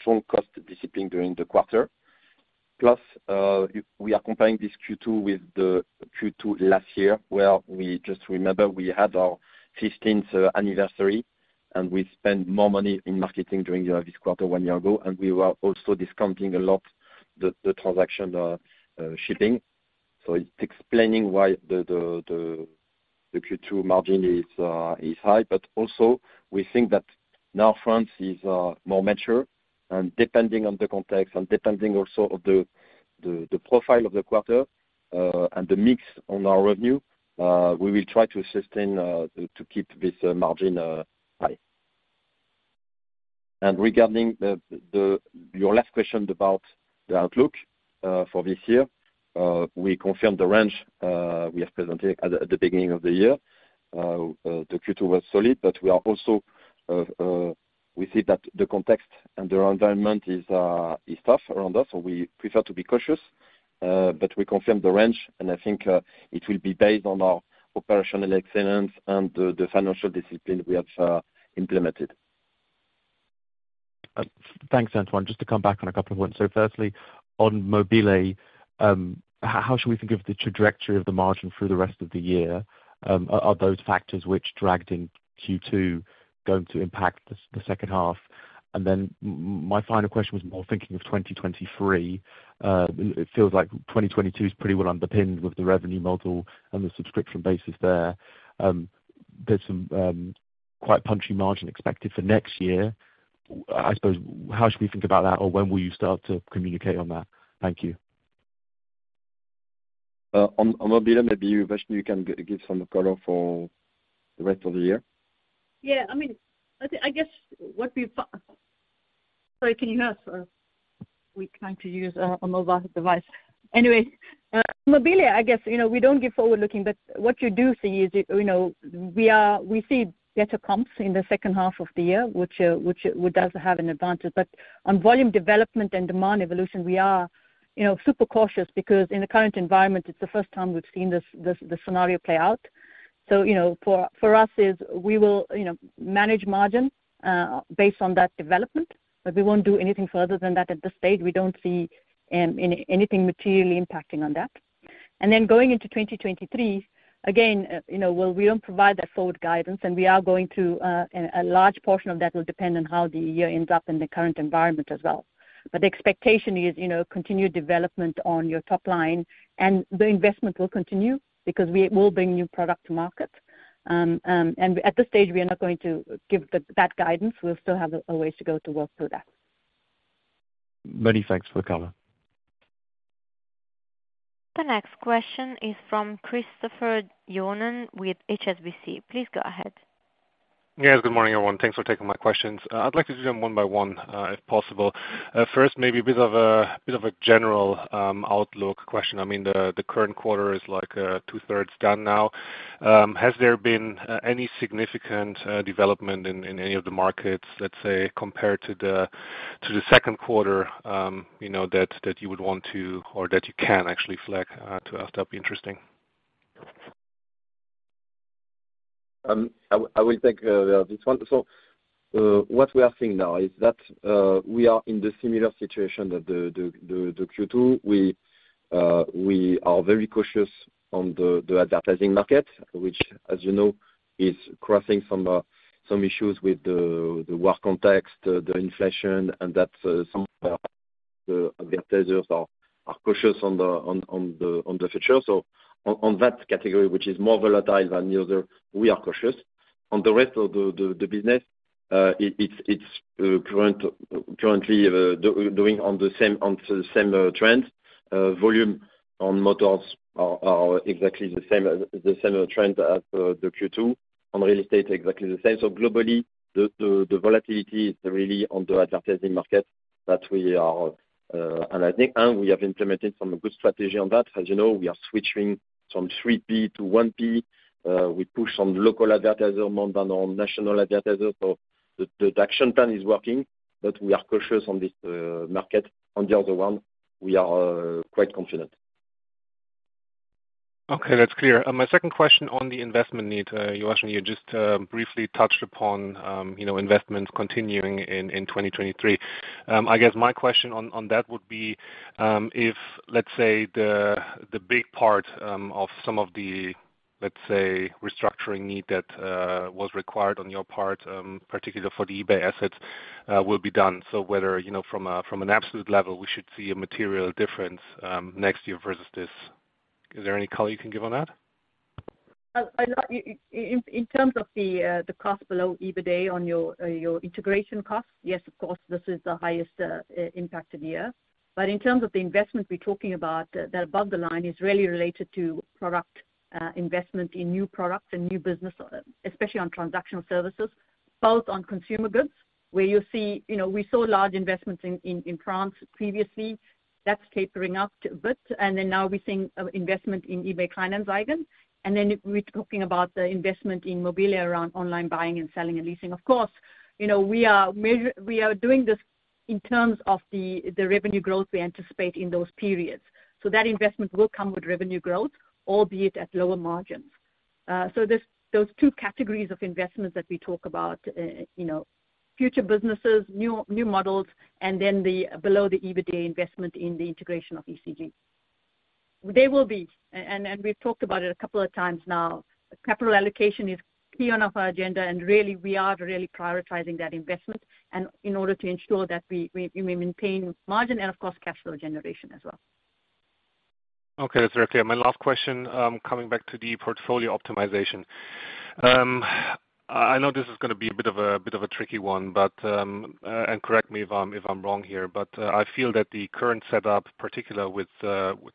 strong cost discipline during the quarter. Plus, we are comparing this Q2 with the Q2 last year, where we just remember we had our 15th anniversary, and we spent more money in marketing during this quarter one year ago, and we were also discounting a lot the transaction shipping. It's explaining why the Q2 margin is high. We think that now France is more mature, and depending on the context and depending also on the profile of the quarter, and the mix on our revenue, we will try to sustain to keep this margin high. Regarding your last question about the outlook for this year, we confirmed the range we have presented at the beginning of the year. The Q2 was solid, but we also see that the context and the environment is tough around us, so we prefer to be cautious. We confirm the range, and I think it will be based on our operational excellence and the financial discipline we have implemented. Thanks, Antoine. Just to come back on a couple of points. Firstly, on mobile.de, how should we think of the trajectory of the margin through the rest of the year? Are those factors which dragged in Q2 going to impact the second half? Then my final question was more thinking of 2023. It feels like 2022 is pretty well underpinned with the revenue model and the subscription bases there. There's some quite punchy margin expected for next year. I suppose, how should we think about that, or when will you start to communicate on that? Thank you. On mobile.de, maybe you, Uvashni, you can give some color for the rest of the year. Yeah. I mean, I think, I guess what we. Sorry, can you hear us? We're trying to use a mobile device. Anyways, mobile.de, I guess, you know, we don't give forward-looking, but what you do see is, you know, we see better comps in the second half of the year, which does have an advantage. On volume development and demand evolution, we are, you know, super cautious because in the current environment, it's the first time we've seen this scenario play out. You know, for us, we will manage margin based on that development, but we won't do anything further than that at this stage. We don't see anything materially impacting on that. Going into 2023, again, you know, while we don't provide that forward guidance, and a large portion of that will depend on how the year ends up in the current environment as well. The expectation is, you know, continued development on your top line, and the investment will continue because we will bring new product to market. At this stage, we are not going to give that guidance. We'll still have a ways to go to work through that. Many thanks for the color. The next question is from Christopher Johnen with HSBC. Please go ahead. Yes, good morning, everyone. Thanks for taking my questions. I'd like to do them one by one, if possible. First, maybe a bit of a general outlook question. I mean, the current quarter is, like, 2/3 done now. Has there been any significant development in any of the markets, let's say, compared to the second quarter, you know, that you would want to or that you can actually flag to us that'd be interesting? I will take this one. What we are seeing now is that we are in a similar situation to the Q2. We are very cautious on the advertising market, which, as you know, is facing some issues with the macro context, the inflation, and the advertisers are cautious on the future. On that category, which is more volatile than the other, we are cautious. On the rest of the business, it's currently on the same trends. Volume on Motors is exactly the same trend as the Q2. On Real Estate, exactly the same. Globally, the volatility is really on the advertising market that we are analyzing. We have implemented some good strategy on that. As you know, we are switching from 3P to 1P. We push on local advertiser more than on national advertiser. The action plan is working, but we are cautious on this market. On the other one, we are quite confident. Okay, that's clear. My second question on the investment need, Uvashni, you just briefly touched upon, you know, investments continuing in 2023. I guess my question on that would be, if, let's say, the big part of some of the, let's say, restructuring need that was required on your part, particularly for the eBay assets, will be done. Whether, you know, from an absolute level, we should see a material difference next year versus this. Is there any color you can give on that? A lot in terms of the cost below EBITDA on your integration costs, yes, of course, this is the highest impacted year. In terms of the investment we're talking about that are above the line is really related to product investment in new products and new business, especially on transactional services, both on Consumer Goods, where you'll see, you know, we saw large investments in France previously. That's tapering up a bit. Now we're seeing investment in eBay Kleinanzeigen. We're talking about the investment in mobile.de around online buying and selling and leasing. Of course, you know, we are doing this in terms of the revenue growth we anticipate in those periods. That investment will come with revenue growth, albeit at lower margins. There's those two categories of investments that we talk about, you know, future businesses, new models, and then below the EBITDA investment in the integration of eCG. We've talked about it a couple of times now. Capital allocation is key on our agenda, and really, we are really prioritizing that investment in order to ensure that we maintain margin and of course, cash flow generation as well. Okay. That's very clear. My last question, coming back to the portfolio optimization. I know this is gonna be a bit of a tricky one, but correct me if I'm wrong here, but I feel that the current setup, particularly with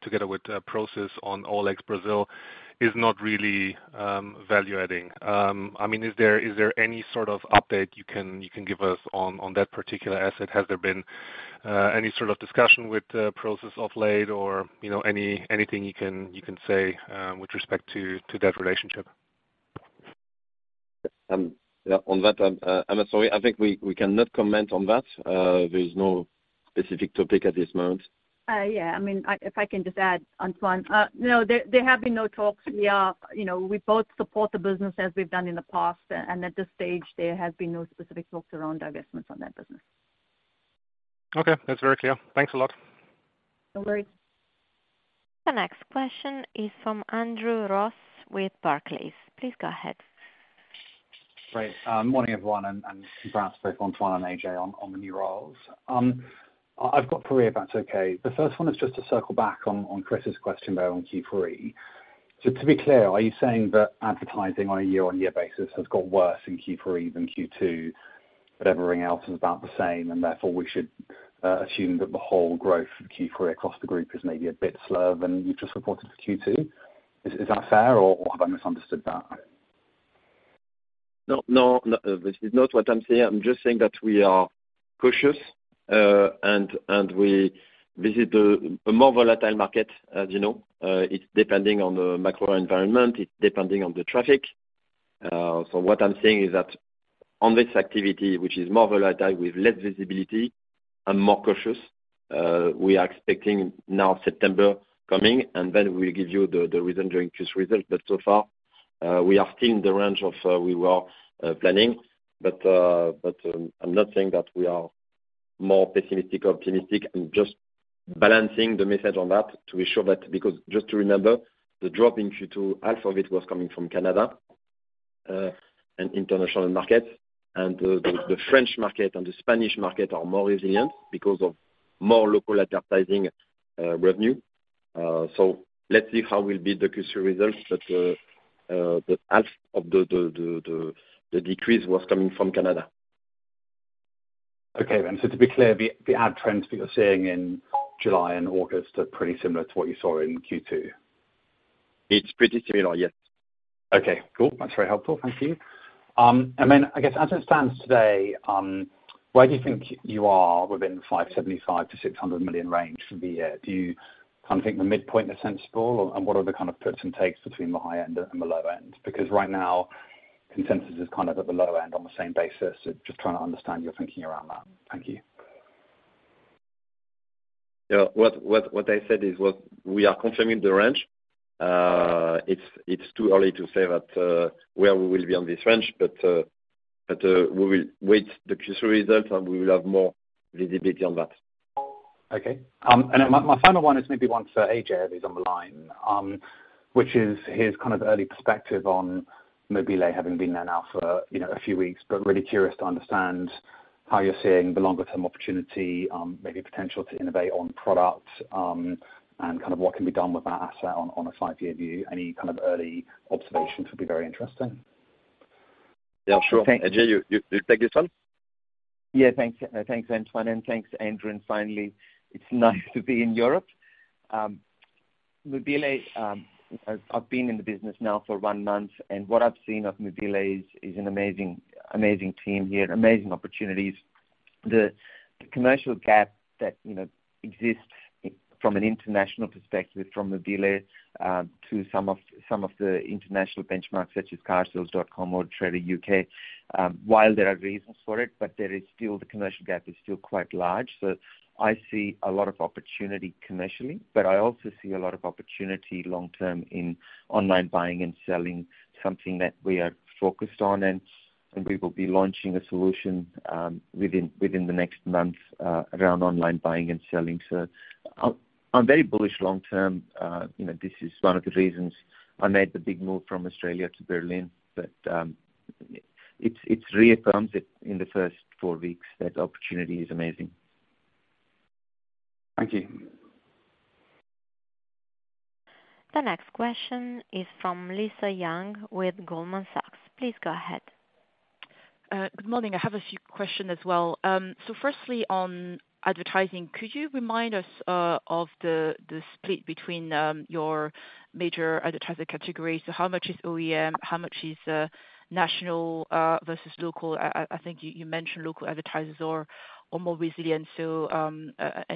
together with Prosus on OLX Brazil is not really value-adding. I mean, is there any sort of update you can give us on that particular asset? Has there been any sort of discussion with Prosus of late or, you know, anything you can say with respect to that relationship? Yeah, on that, I'm sorry, I think we cannot comment on that. There's no specific topic at this moment. Yeah, I mean, if I can just add, Antoine, no, there have been no talks. We are, you know, we both support the business as we've done in the past. At this stage, there have been no specific talks around divestments on that business. Okay. That's very clear. Thanks a lot. No worries. The next question is from Andrew Ross with Barclays. Please go ahead. Great. Morning, everyone, and congrats both Antoine and Ajay on the new roles. I've got three, if that's okay. The first one is just to circle back on Chris's question there on Q3. To be clear, are you saying that advertising on a year-on-year basis has got worse in Q3 than Q2, but everything else is about the same, and therefore we should assume that the whole growth for Q3 across the group is maybe a bit slower than you just reported for Q2? Is that fair or have I misunderstood that? No, this is not what I'm saying. I'm just saying that we are cautious, and we have a more volatile market, as you know. It depends on the macro environment. It depends on the traffic. What I'm saying is that on this activity, which is more volatile with less visibility, I'm more cautious. We are expecting now September coming, and then we'll give you the reason during Q3 results. So far, we are still in the range that we were planning. I'm not saying that we are more pessimistic or optimistic. I'm just balancing the message on that to ensure that because just to remember, the drop in Q2, half of it was coming from Canada, an international market. The French market and the Spanish market are more resilient because of more local advertising revenue. Let's see how we'll beat the Q3 results, but the half of the decrease was coming from Canada. Okay then. To be clear, the ad trends that you're seeing in July and August are pretty similar to what you saw in Q2? It's pretty similar, yes. Okay, cool. That's very helpful. Thank you. And then I guess as it stands today, where do you think you are within the 575 million-600 million range for the year? Do you kind of think the midpoint is sensible or, and what are the kind of puts and takes between the high end and the low end? Because right now, consensus is kind of at the low end on the same basis. Just trying to understand your thinking around that. Thank you. Yeah. What I said is what we are confirming, the range. It's too early to say that where we will be on this range. We will wait the Q3 result, and we will have more visibility on that. Okay. My final one is maybe one for Ajay if he's on the line, which is his kind of early perspective on mobile.de having been there now for, you know, a few weeks, but really curious to understand how you're seeing the longer term opportunity, maybe potential to innovate on product, and kind of what can be done with that asset on a five-year view. Any kind of early observations would be very interesting. Yeah, sure. Ajay, you take this one. Yeah. Thanks. Thanks, Antoine, and thanks, Andrew. Finally, it's nice to be in Europe. Mobile.de, I've been in the business now for one month, and what I've seen of mobile.de is an amazing team here and amazing opportunities. The commercial gap that you know exists from an international perspective from mobile.de to some of the international benchmarks such as carsales.com or Autotrader UK, while there are reasons for it, but the commercial gap is still quite large. I see a lot of opportunity commercially, but I also see a lot of opportunity long term in online buying and selling, something that we are focused on, and we will be launching a solution within the next month around online buying and selling. I'm very bullish long term. You know, this is one of the reasons I made the big move from Australia to Berlin, but it's reaffirmed it in the first four weeks that the opportunity is amazing. Thank you. The next question is from Lisa Yang with Goldman Sachs. Please go ahead. Good morning. I have a few questions as well. First, on advertising, could you remind us of the split between your major advertiser categories? How much is OEM? How much is national versus local? I think you mentioned local advertisers are more resilient, so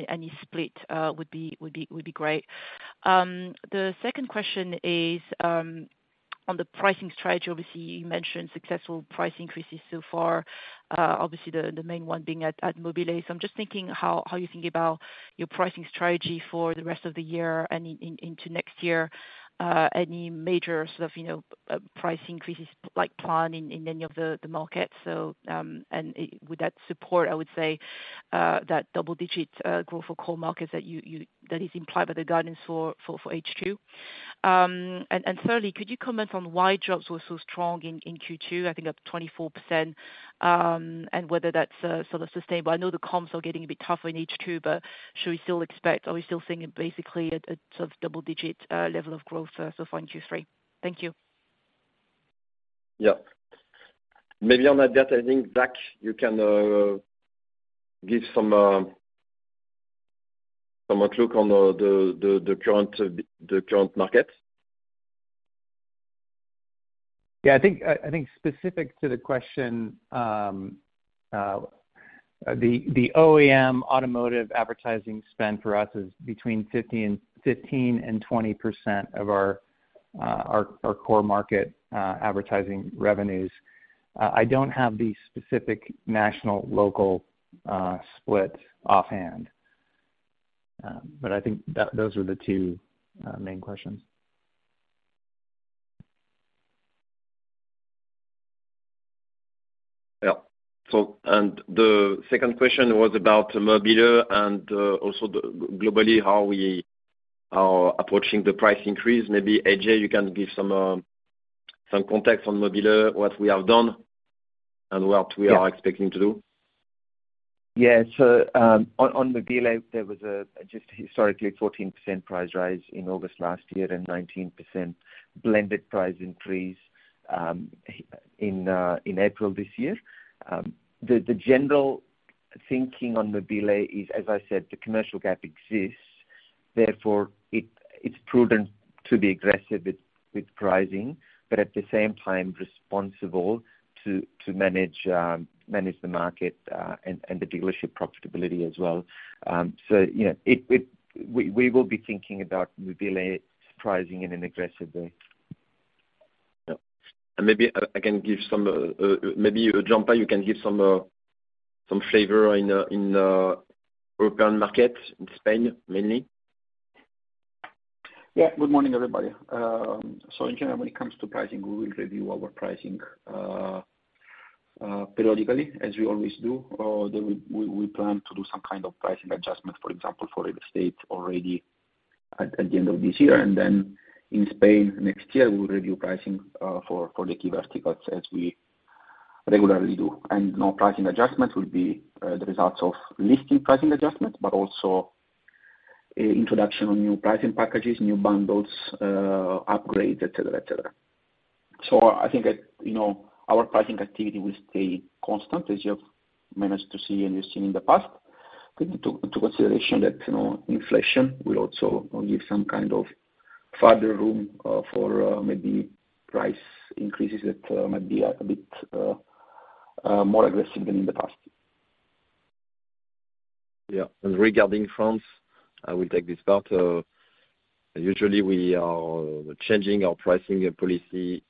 any split would be great. The second question is on the pricing strategy. Obviously, you mentioned successful price increases so far. Obviously the main one being at mobile.de. I'm just thinking how you think about your pricing strategy for the rest of the year and into next year. Any major sort of, you know, price increases like planned in any of the markets? With that support, I would say that double-digit growth for core markets that is implied by the guidance for H2. Thirdly, could you comment on why Jobs were so strong in Q2, I think up 24%, and whether that's sort of sustainable. I know the comps are getting a bit tougher in H2, but should we still expect? Are we still seeing it basically at a sort of double-digit level of growth so far in Q3? Thank you. Yeah. Maybe on that data, I think, Zac, you can give some outlook on the current market. Yeah. I think specific to the question. The OEM automotive advertising spend for us is between 15% and 20% of our core market advertising revenues. I don't have the specific national, local split offhand. I think that those are the two main questions. Yeah. The second question was about mobile.de and also globally how we are approaching the price increase. Maybe Ajay, you can give some context on mobile.de, what we have done and what we are expecting to do. Yeah. On mobile.de, there was just a historically 14% price rise in August last year and 19% blended price increase in April this year. The general thinking on mobile.de is, as I said, the commercial gap exists, therefore it's prudent to be aggressive with pricing, but at the same time responsible to manage the market and the dealership profitability as well. Yeah, we will be thinking about mobile.de Pricing in an aggressive way. Yeah. Maybe I can give some, maybe Gianpaolo, you can give some flavor in European market, in Spain mainly. Yeah. Good morning, everybody. In general, when it comes to pricing, we will review our pricing periodically as we always do. Then we plan to do some kind of pricing adjustment, for example, for Real Estate already at the end of this year. In Spain next year, we'll review pricing for the key verticals as we regularly do. No pricing adjustments will be the results of listing pricing adjustments, but also introduction of new pricing packages, new bundles, upgrades, et cetera, et cetera. I think that, you know, our pricing activity will stay constant as you've managed to see and you've seen in the past. Take into consideration that, you know, inflation will also give some kind of further room for maybe price increases that might be a bit more aggressive than in the past. Yeah. Regarding France, I will take this part. Usually we are changing our pricing policy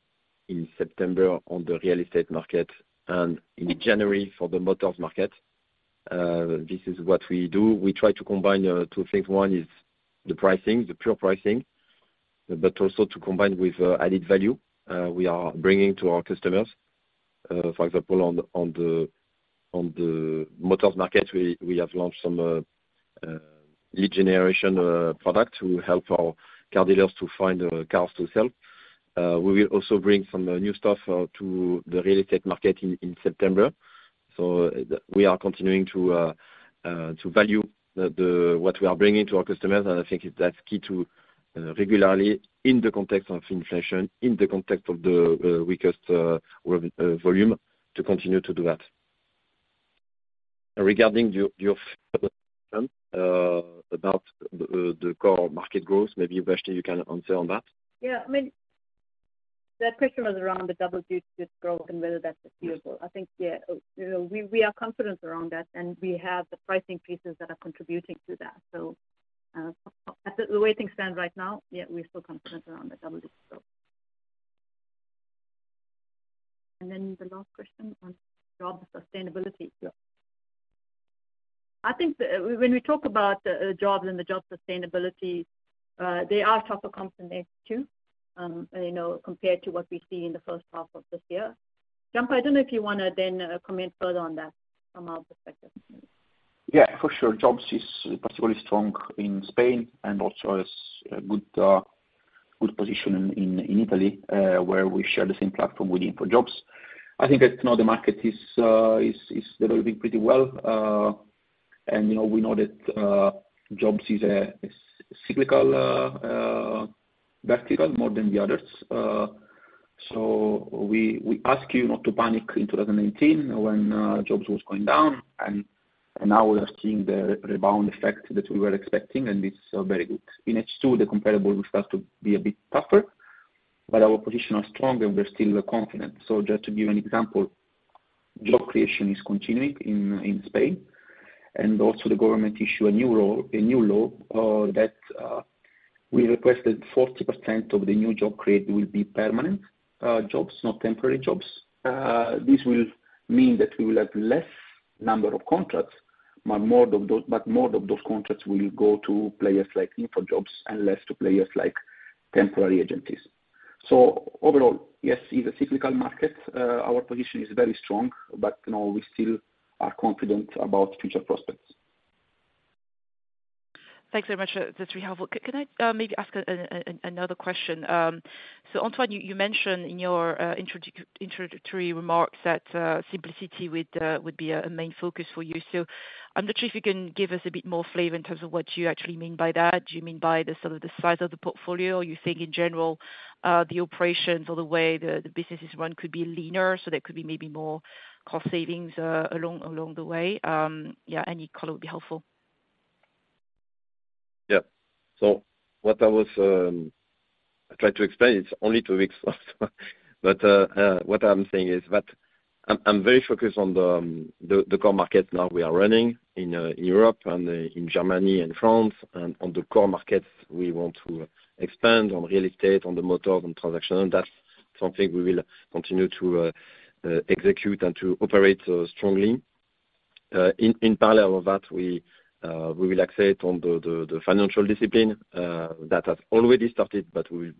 in September on the Real Estate market and in January for the Motors market. This is what we do. We try to combine two things. One is the pricing, the pure pricing, but also to combine with added value we are bringing to our customers. For example, on the Motors market, we have launched some lead generation product to help our car dealers to find cars to sell. We will also bring some new stuff to the Real Estate market in September. We are continuing to value what we are bringing to our customers, and I think that's key to regularly in the context of inflation, in the context of the weakest volume to continue to do that. Regarding your second about the core market growth, maybe Uvashni you can answer on that. Yeah. I mean, that question was around the double-digit growth and whether that's achievable. I think, yeah, you know, we are confident around that, and we have the pricing pieces that are contributing to that. At the way things stand right now, yeah, we're still confident around the double-digit growth. The last question on Jobs sustainability. Yeah. I think, when we talk about, Jobs and the Jobs sustainability, they are tougher compared to H2, you know, compared to what we see in the first half of this year. Gianpaolo, I don't know if you wanna then, comment further on that from our perspective. Yeah, for sure. Jobs is particularly strong in Spain and also has a good position in Italy, where we share the same platform with InfoJobs. I think that, you know, the market is developing pretty well. You know, we know that Jobs is a cyclical vertical more than the others. So we ask you not to panic in 2018 when Jobs was going down, and now we are seeing the rebound effect that we were expecting, and it's very good. In H2, the comparable will start to be a bit tougher, but our position are strong and we're still confident. Just to give you an example, job creation is continuing in Spain, and also the government issued a new law that we requested 40% of the new jobs created will be permanent jobs, not temporary jobs. This will mean that we will have less number of contracts, but more of those contracts will go to players like InfoJobs and less to players like temporary agencies. Overall, yes, it's a cyclical market. Our position is very strong, but, you know, we still are confident about future prospects. Thanks very much, the three of you. Can I maybe ask another question? Antoine, you mentioned in your introductory remarks that simplicity would be a main focus for you. I'm not sure if you can give us a bit more flavor in terms of what you actually mean by that. Do you mean by the sort of size of the portfolio? You think in general the operations or the way the business is run could be leaner, so there could be maybe more cost savings along the way? Yeah, any color would be helpful. I tried to explain, it's only two weeks. What I'm saying is that I'm very focused on the core market now we are running in Europe and in Germany and France. On the core markets, we want to expand on Real Estate, on the motor, on transaction, and that's something we will continue to execute and to operate strongly. In parallel with that, we will accelerate on the financial discipline that has already started. We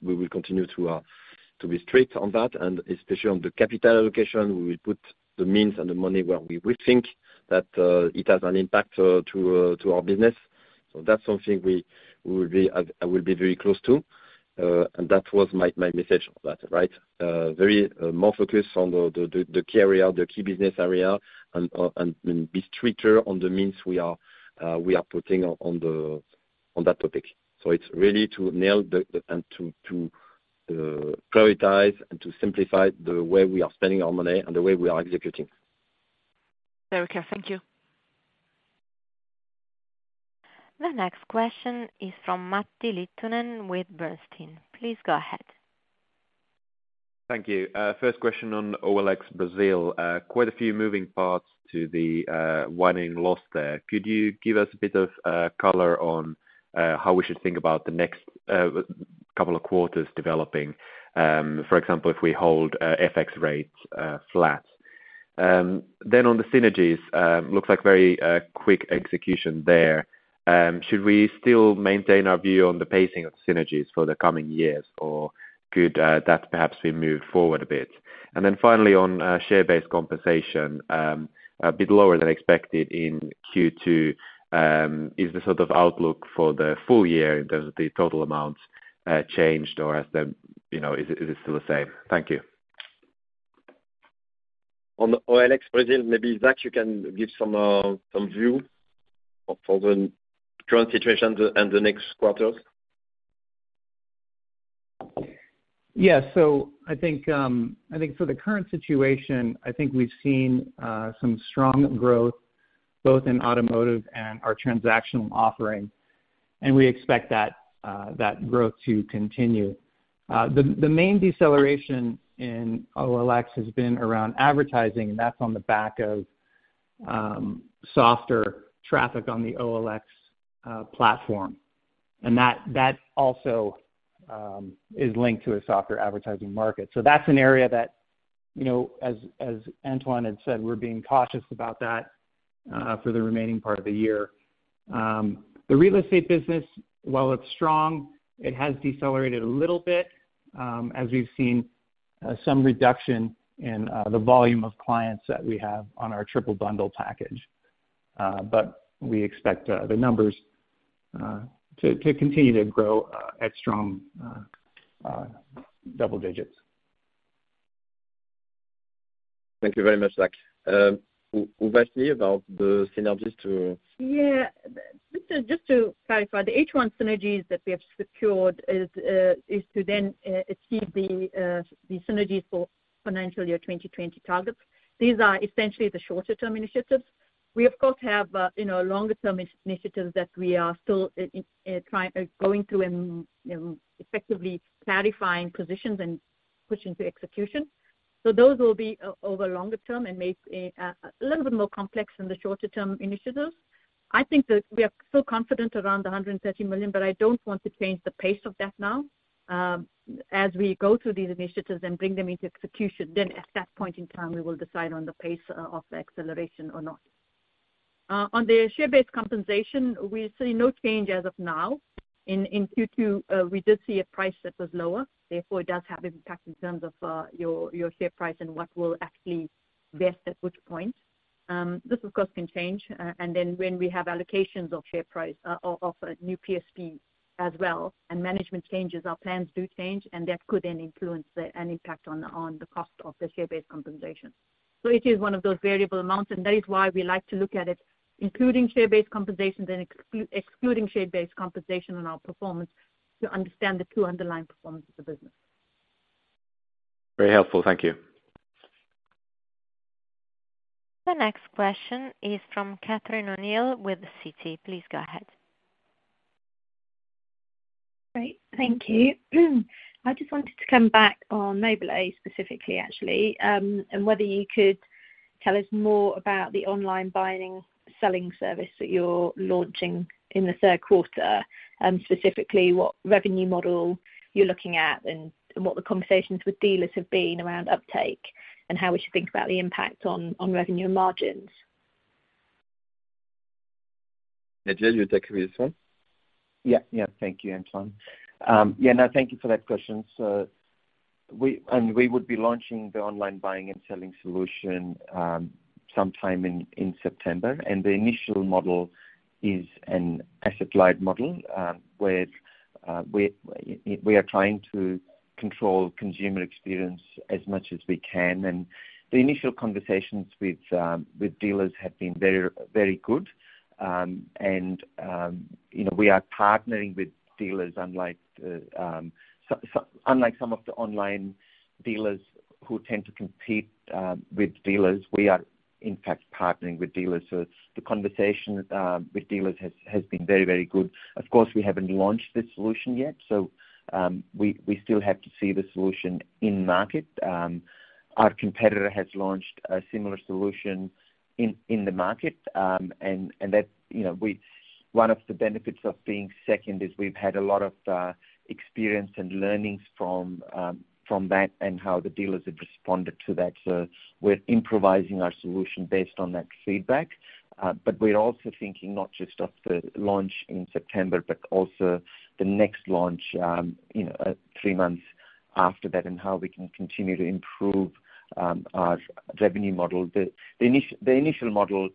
will continue to be strict on that, and especially on the capital allocation. We will put the means and the money where we would think that it has an impact to our business. That's something I will be very close to, and that was my message on that, right? More focused on the key business area and be stricter on the means we are putting on that topic. It's really to nail it and to prioritize and to simplify the way we are spending our money and the way we are executing. Very clear. Thank you. The next question is from Matti Littunen with Bernstein. Please go ahead. Thank you. First question on OLX Brazil. Quite a few moving parts to the widening loss there. Could you give us a bit of color on how we should think about the next couple of quarters developing, for example, if we hold FX rates flat? On the synergies, looks like very quick execution there. Should we still maintain our view on the pacing of synergies for the coming years, or could that perhaps be moved forward a bit? Finally on share-based compensation, a bit lower than expected in Q2, is the sort of outlook for the full year in terms of the total amount changed, or you know, is it still the same? Thank you. On OLX Brazil, maybe, Zac, you can give some view for the current situation and the next quarters. Yeah. I think for the current situation, I think we've seen some strong growth both in automotive and our transactional offering, and we expect that growth to continue. The main deceleration in OLX has been around advertising, and that's on the back of softer traffic on the OLX platform. That also is linked to a softer advertising market. That's an area that, you know, as Antoine had said, we're being cautious about that for the remaining part of the year. The Real Estate business, while it's strong, it has decelerated a little bit as we've seen some reduction in the volume of clients that we have on our triple bundle package. We expect the numbers to continue to grow at strong double digits. Thank you very much, Zac. Uvashni, about the synergies to- Just to clarify, the H1 synergies that we have secured is to achieve the synergies for financial year 2020 targets. These are essentially the shorter term initiatives. We of course have, you know, longer term initiatives that we are still going through and, you know, effectively clarifying positions and pushing to execution. Those will be over longer term and may a little bit more complex than the shorter term initiatives. I think that we are still confident around 130 million, but I don't want to change the pace of that now. As we go through these initiatives and bring them into execution, then at that point in time, we will decide on the pace of the acceleration or not. On the share-based compensation, we see no change as of now. In Q2, we did see a price that was lower. Therefore, it does have impact in terms of your share price and what will actually vest at which point. This of course can change. When we have allocations of share price of a new PSP as well, and management changes, our plans do change, and that could then influence an impact on the cost of the share-based compensation. It is one of those variable amounts, and that is why we like to look at it including share-based compensation then excluding share-based compensation on our performance to understand the true underlying performance of the business. Very helpful. Thank you. The next question is from Catherine O'Neill with Citi. Please go ahead. Great. Thank you. I just wanted to come back on mobile.de specifically actually, and whether you could tell us more about the online buying, selling service that you're launching in the third quarter, specifically what revenue model you're looking at and what the conversations with dealers have been around uptake and how we should think about the impact on revenue and margins. Ajay, you take this one? Thank you, Antoine. Thank you for that question, sir. We would be launching the online buying and selling solution sometime in September. The initial model is an asset-light model, where we are trying to control consumer experience as much as we can. The initial conversations with dealers have been very good. You know, we are partnering with dealers unlike some of the online dealers who tend to compete with dealers. We are in fact partnering with dealers. The conversation with dealers has been very good. Of course, we haven't launched this solution yet, so we still have to see the solution in market. Our competitor has launched a similar solution in the market. One of the benefits of being second is we've had a lot of experience and learnings from that and how the dealers have responded to that. We're improvising our solution based on that feedback. We're also thinking not just of the launch in September, but also the next launch, three months after that, and how we can continue to improve our revenue model. The initial model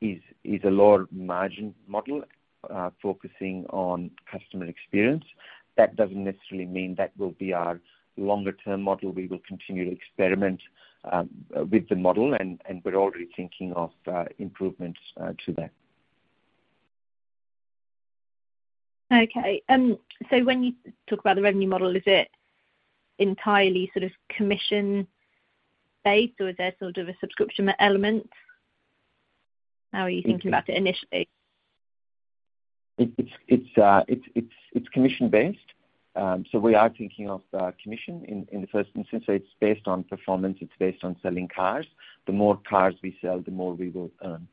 is a lower margin model, focusing on customer experience. That doesn't necessarily mean that will be our longer term model. We will continue to experiment with the model, and we're already thinking of improvements to that. Okay. When you talk about the revenue model, is it entirely sort of commission-based, or is there sort of a subscription element? How are you thinking about it initially? It's commission-based. We are thinking of commission in the first instance. It's based on performance, it's based on selling cars. The more cars we sell, the more we will earn.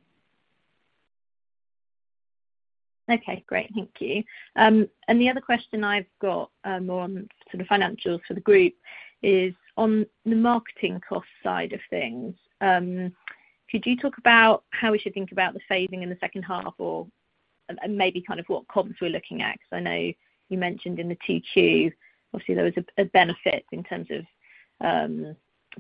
Okay, great. Thank you. The other question I've got, more on sort of financials for the group is on the marketing cost side of things. Could you talk about how we should think about the saving in the second half and maybe kind of what comps we're looking at? Because I know you mentioned in the 2Q, obviously there was a benefit in terms of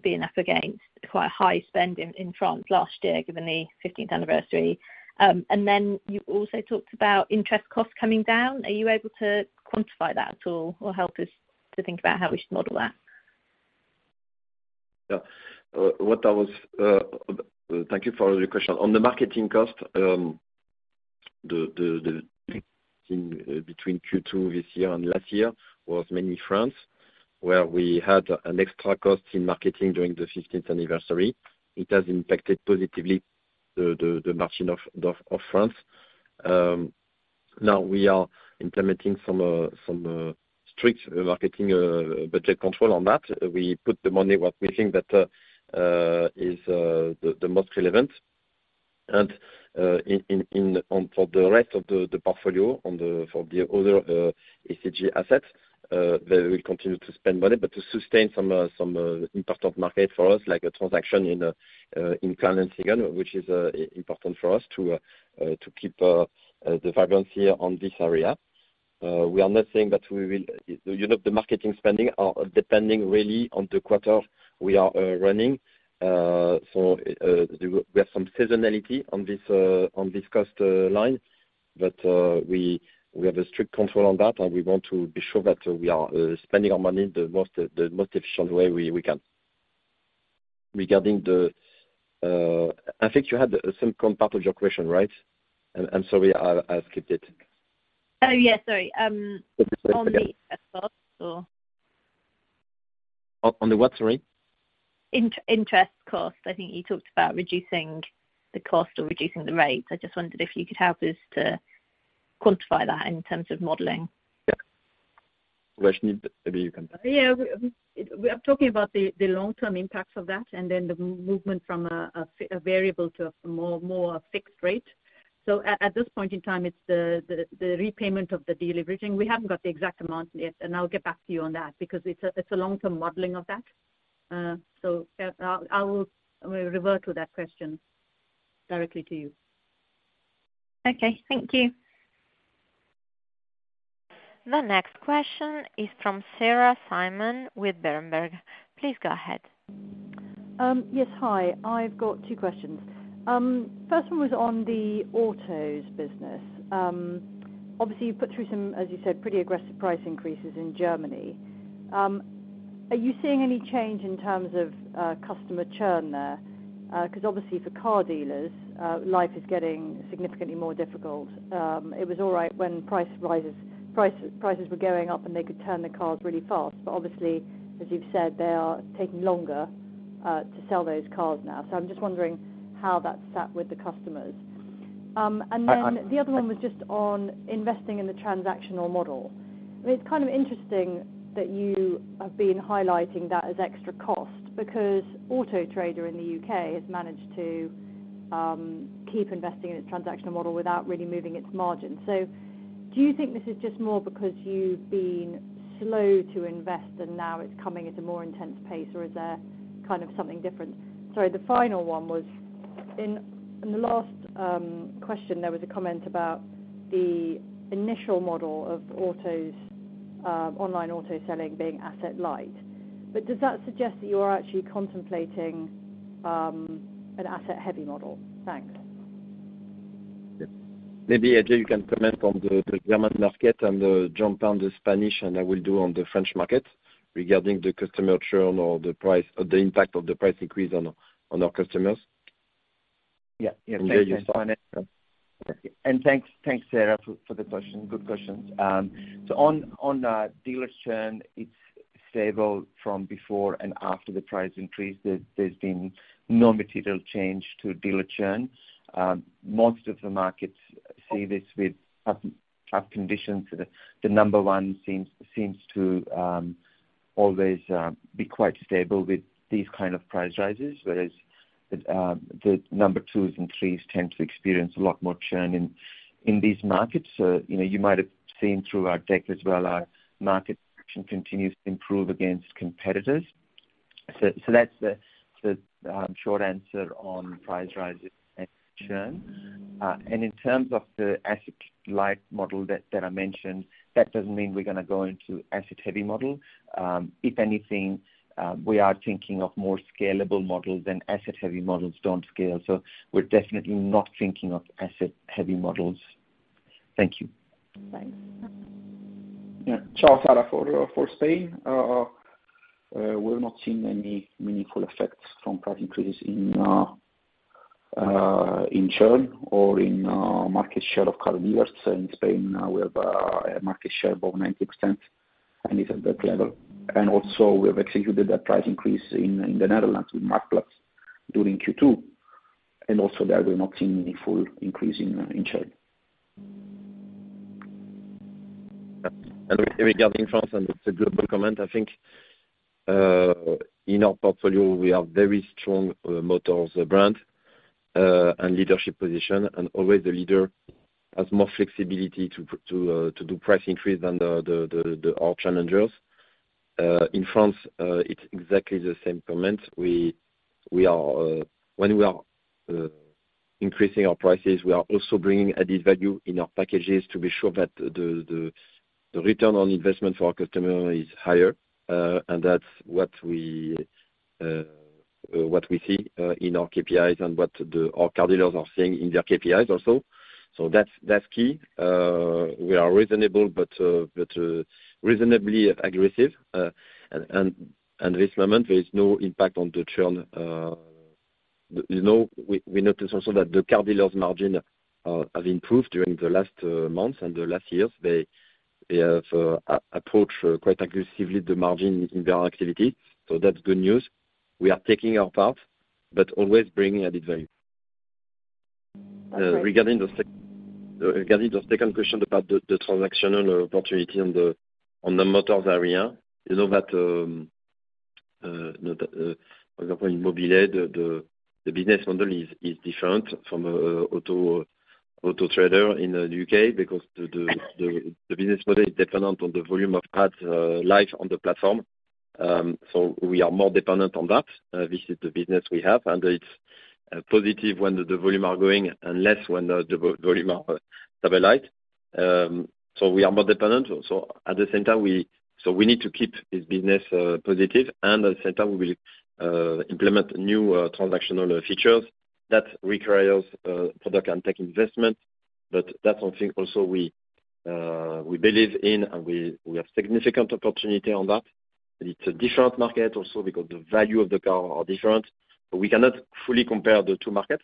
being up against quite a high spend in France last year, given the 15th anniversary. Then you also talked about interest costs coming down. Are you able to quantify that at all or help us to think about how we should model that? Thank you for your question. On the marketing cost, the difference between Q2 this year and last year was mainly in France, where we had an extra cost in marketing during the 15th anniversary. It has impacted positively the margin of France. Now we are implementing some strict marketing budget control on that. We put the money where we think that is the most relevant and on the rest of the portfolio, on the other eCG assets. They will continue to spend money, but to sustain some important market for us, like a transaction in Kleinanzeigen which is important for us to keep the vibrancy on this area. We are not saying that we will, you know, the marketing spending are depending really on the quarter we are running. We have some seasonality on this cost line, but we have a strict control on that, and we want to be sure that we are spending our money the most efficient way we can. Regarding the, I think you had some part of your question, right? I'm sorry I skipped it. Oh, yeah, sorry. On the interest costs or- On the what? Sorry? Interest costs. I think you talked about reducing the cost or reducing the rates. I just wondered if you could help us to quantify that in terms of modeling. Yeah. Uvashni, maybe you can- Yeah. I'm talking about the long-term impacts of that and then the movement from a variable to a more fixed rate. At this point in time, it's the repayment of the deleveraging. We haven't got the exact amount yet, and I'll get back to you on that because it's a long-term modeling of that. I will revert to that question directly to you. Okay, thank you. The next question is from Sarah Simon with Berenberg. Please go ahead. Yes. Hi. I've got two questions. First one was on the autos business. Obviously you've put through some, as you said, pretty aggressive price increases in Germany. Are you seeing any change in terms of customer churn there? Because obviously for car dealers, life is getting significantly more difficult. It was all right when prices were going up and they could turn the cars really fast. Obviously, as you've said, they are taking longer to sell those cars now. I'm just wondering how that sat with the customers. And then the other one was just on investing in the transactional model. I mean, it's kind of interesting that you have been highlighting that as extra cost because Autotrader in the U.K. has managed to keep investing in its transactional model without really moving its margin. Do you think this is just more because you've been slow to invest and now it's coming at a more intense pace, or is there kind of something different? Sorry, the final one. In the last question, there was a comment about the initial model of autos online auto selling being asset light. Does that suggest that you are actually contemplating an asset heavy model? Thanks. Maybe, Ajay, you can comment on the German market, and Gianpaolo on the Spanish, and I will do on the French market regarding the customer churn or the price or the impact of the price increase on our customers. Yeah, yeah. There you saw. Thanks, Sarah, for the question. Good questions. On dealer churn, it's stable from before and after the price increase. There's been no material change to dealer churn. Most of the markets see this with tough conditions. The number one seems to always be quite stable with these kind of price rises. Whereas the number twos and threes tend to experience a lot more churn in these markets. You know, you might have seen through our deck as well, our market action continues to improve against competitors. That's the short answer on price rises and churn. In terms of the asset light model that I mentioned, that doesn't mean we're gonna go into asset heavy model. If anything, we are thinking of more scalable models, and asset-heavy models don't scale. We're definitely not thinking of asset-heavy models. Thank you. Thanks. Yeah. Gianpaolo Santorsola for Spain. We're not seeing any meaningful effects from price increases in churn or in market share of car dealers. In Spain, we have a market share of over 90%, and it's at that level. We have executed that price increase in the Netherlands with Marktplaats during Q2. There, we're not seeing meaningful increase in churn. Regarding France, it's a global comment, I think. In our portfolio we have very strong Motors brand and leadership position, and always the leader has more flexibility to do price increase than our challengers. In France, it's exactly the same comment. When we are increasing our prices, we are also bringing added value in our packages to be sure that the return on investment for our customer is higher. And that's what we see in our KPIs and what our car dealers are seeing in their KPIs also. That's key. We are reasonable, but reasonably aggressive. At this moment there is no impact on the churn. You know, we notice also that the car dealers' margin have improved during the last months and the last years. They have approached quite aggressively the margin in their activity, so that's good news. We are taking our part, but always bringing added value. Okay. Regarding the second question about the transactional opportunity on the Motors area, you know that, for example, in mobile.de, the business model is different from Autotrader UK because the business model is dependent on the volume of ads live on the platform. We are more dependent on that. This is the business we have, and it's positive when the volumes are growing and less when the volumes are stable, like. We are more dependent. We need to keep this business positive, and at the same time we will implement new transactional features that requires product and tech investment. That's something also we believe in, and we have significant opportunity on that. It's a different market also because the value of the car are different. We cannot fully compare the two markets.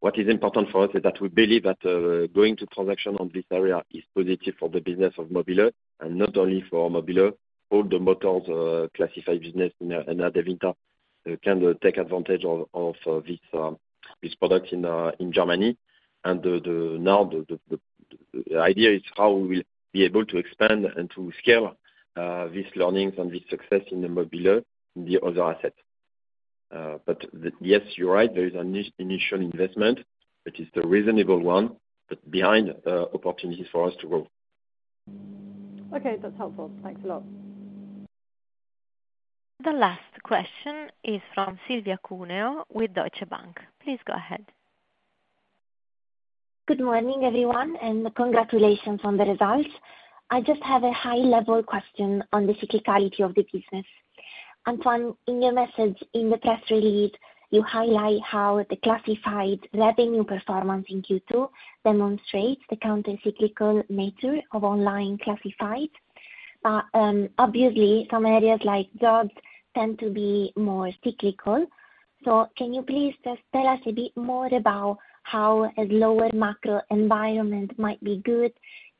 What is important for us is that we believe that going to transaction on this area is positive for the business of mobile.de, and not only for mobile.de, all the Motors classified business in Adevinta can take advantage of this product in Germany. Now, the idea is how we'll be able to expand and to scale these learnings and this success in the mobile.de in the other assets. Yes, you're right. There is an initial investment, which is the reasonable one, but behind opportunities for us to grow. Okay, that's helpful. Thanks a lot. The last question is from Silvia Cuneo with Deutsche Bank. Please go ahead. Good morning, everyone, and congratulations on the results. I just have a high-level question on the cyclicality of the business. Antoine, in your message in the press release, you highlight how the classified revenue performance in Q2 demonstrates the counter-cyclical nature of online classified. Obviously some areas like Jobs tend to be more cyclical. Can you please just tell us a bit more about how a lower macro environment might be good?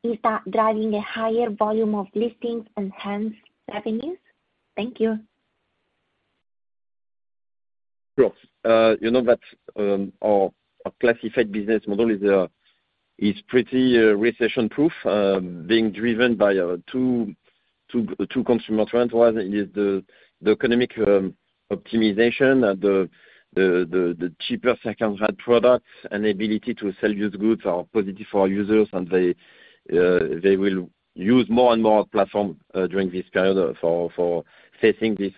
Is that driving a higher volume of listings and hence revenues? Thank you. Sure. You know that our classified business model is pretty recession-proof, being driven by two consumer trends. One is the economic optimization and the cheaper second-hand products and the ability to sell used goods are positive for our users and they will use more and more platform during this period for facing this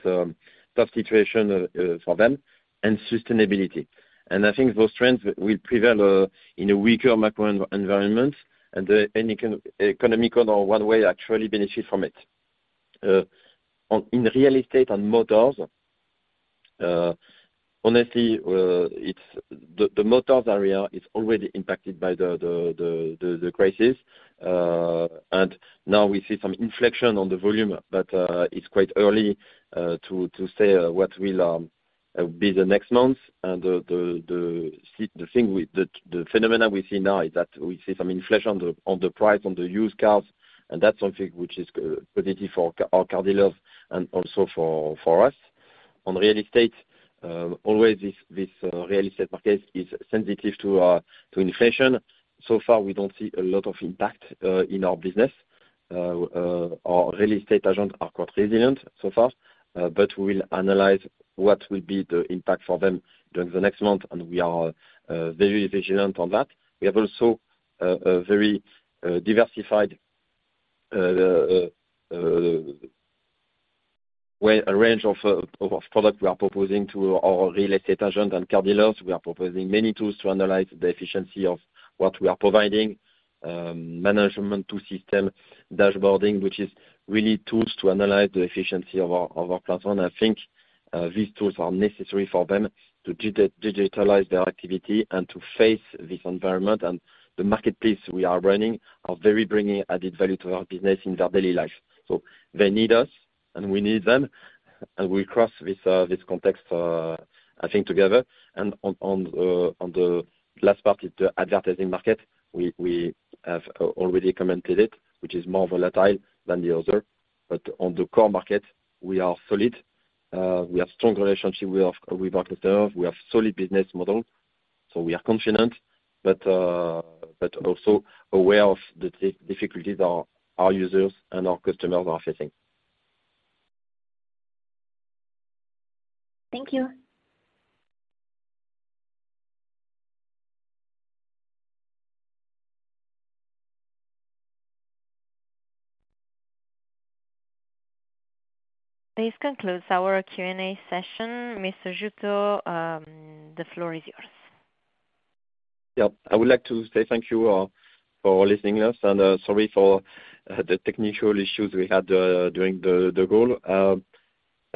tough situation for them and sustainability. I think those trends will prevail in a weaker macro environment and any economical or one way actually benefit from it. In Real Estate and Motors, honestly, it's the Motors area is already impacted by the crisis. Now we see some inflection on the volume, but it's quite early to say what will be the next months. The phenomenon we see now is that we see some inflation on the price of used cars, and that's something which is good, positive for our car dealers and also for us. On Real Estate, always this Real Estate market is sensitive to inflation. So far, we don't see a lot of impact in our business. Our Real Estate agents are quite resilient so far, but we'll analyze what will be the impact for them during the next month, and we are very vigilant on that. We have also a very diversified way. A range of product we are proposing to our Real Estate agent and car dealers. We are proposing many tools to analyze the efficiency of what we are providing, management tool system, dashboarding, which is really tools to analyze the efficiency of our platform. I think these tools are necessary for them to digitalize their activity and to face this environment. The marketplace we are running are very bringing added value to our business in their daily life. They need us, and we need them. We cross this context, I think together. On the last part is the advertising market. We have already commented it, which is more volatile than the other. On the core market, we are solid. We have strong relationship with our dealers. We have solid business model, so we are confident, but also aware of the difficulties our users and our customers are facing. Thank you. This concludes our Q&A session. Mr. Jouteau, the floor is yours. Yeah. I would like to say thank you for listening to us and sorry for the technical issues we had during the call.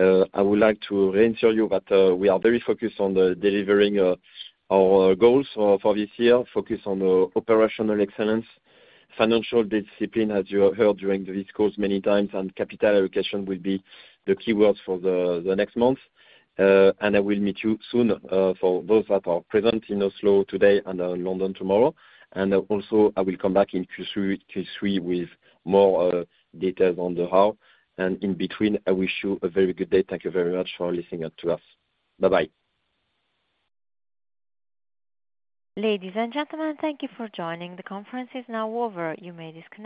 I would like to reassure you that we are very focused on the delivering our goals for this year, focused on operational excellence. Financial discipline, as you have heard during this call many times, and capital allocation will be the keywords for the next month. I will meet you soon for those that are present in Oslo today and in London tomorrow. Also, I will come back in Q3 with more details on the how. In between, I wish you a very good day. Thank you very much for listening to us. Bye-bye. Ladies and gentlemen, thank you for joining. The conference is now over. You may disconnect.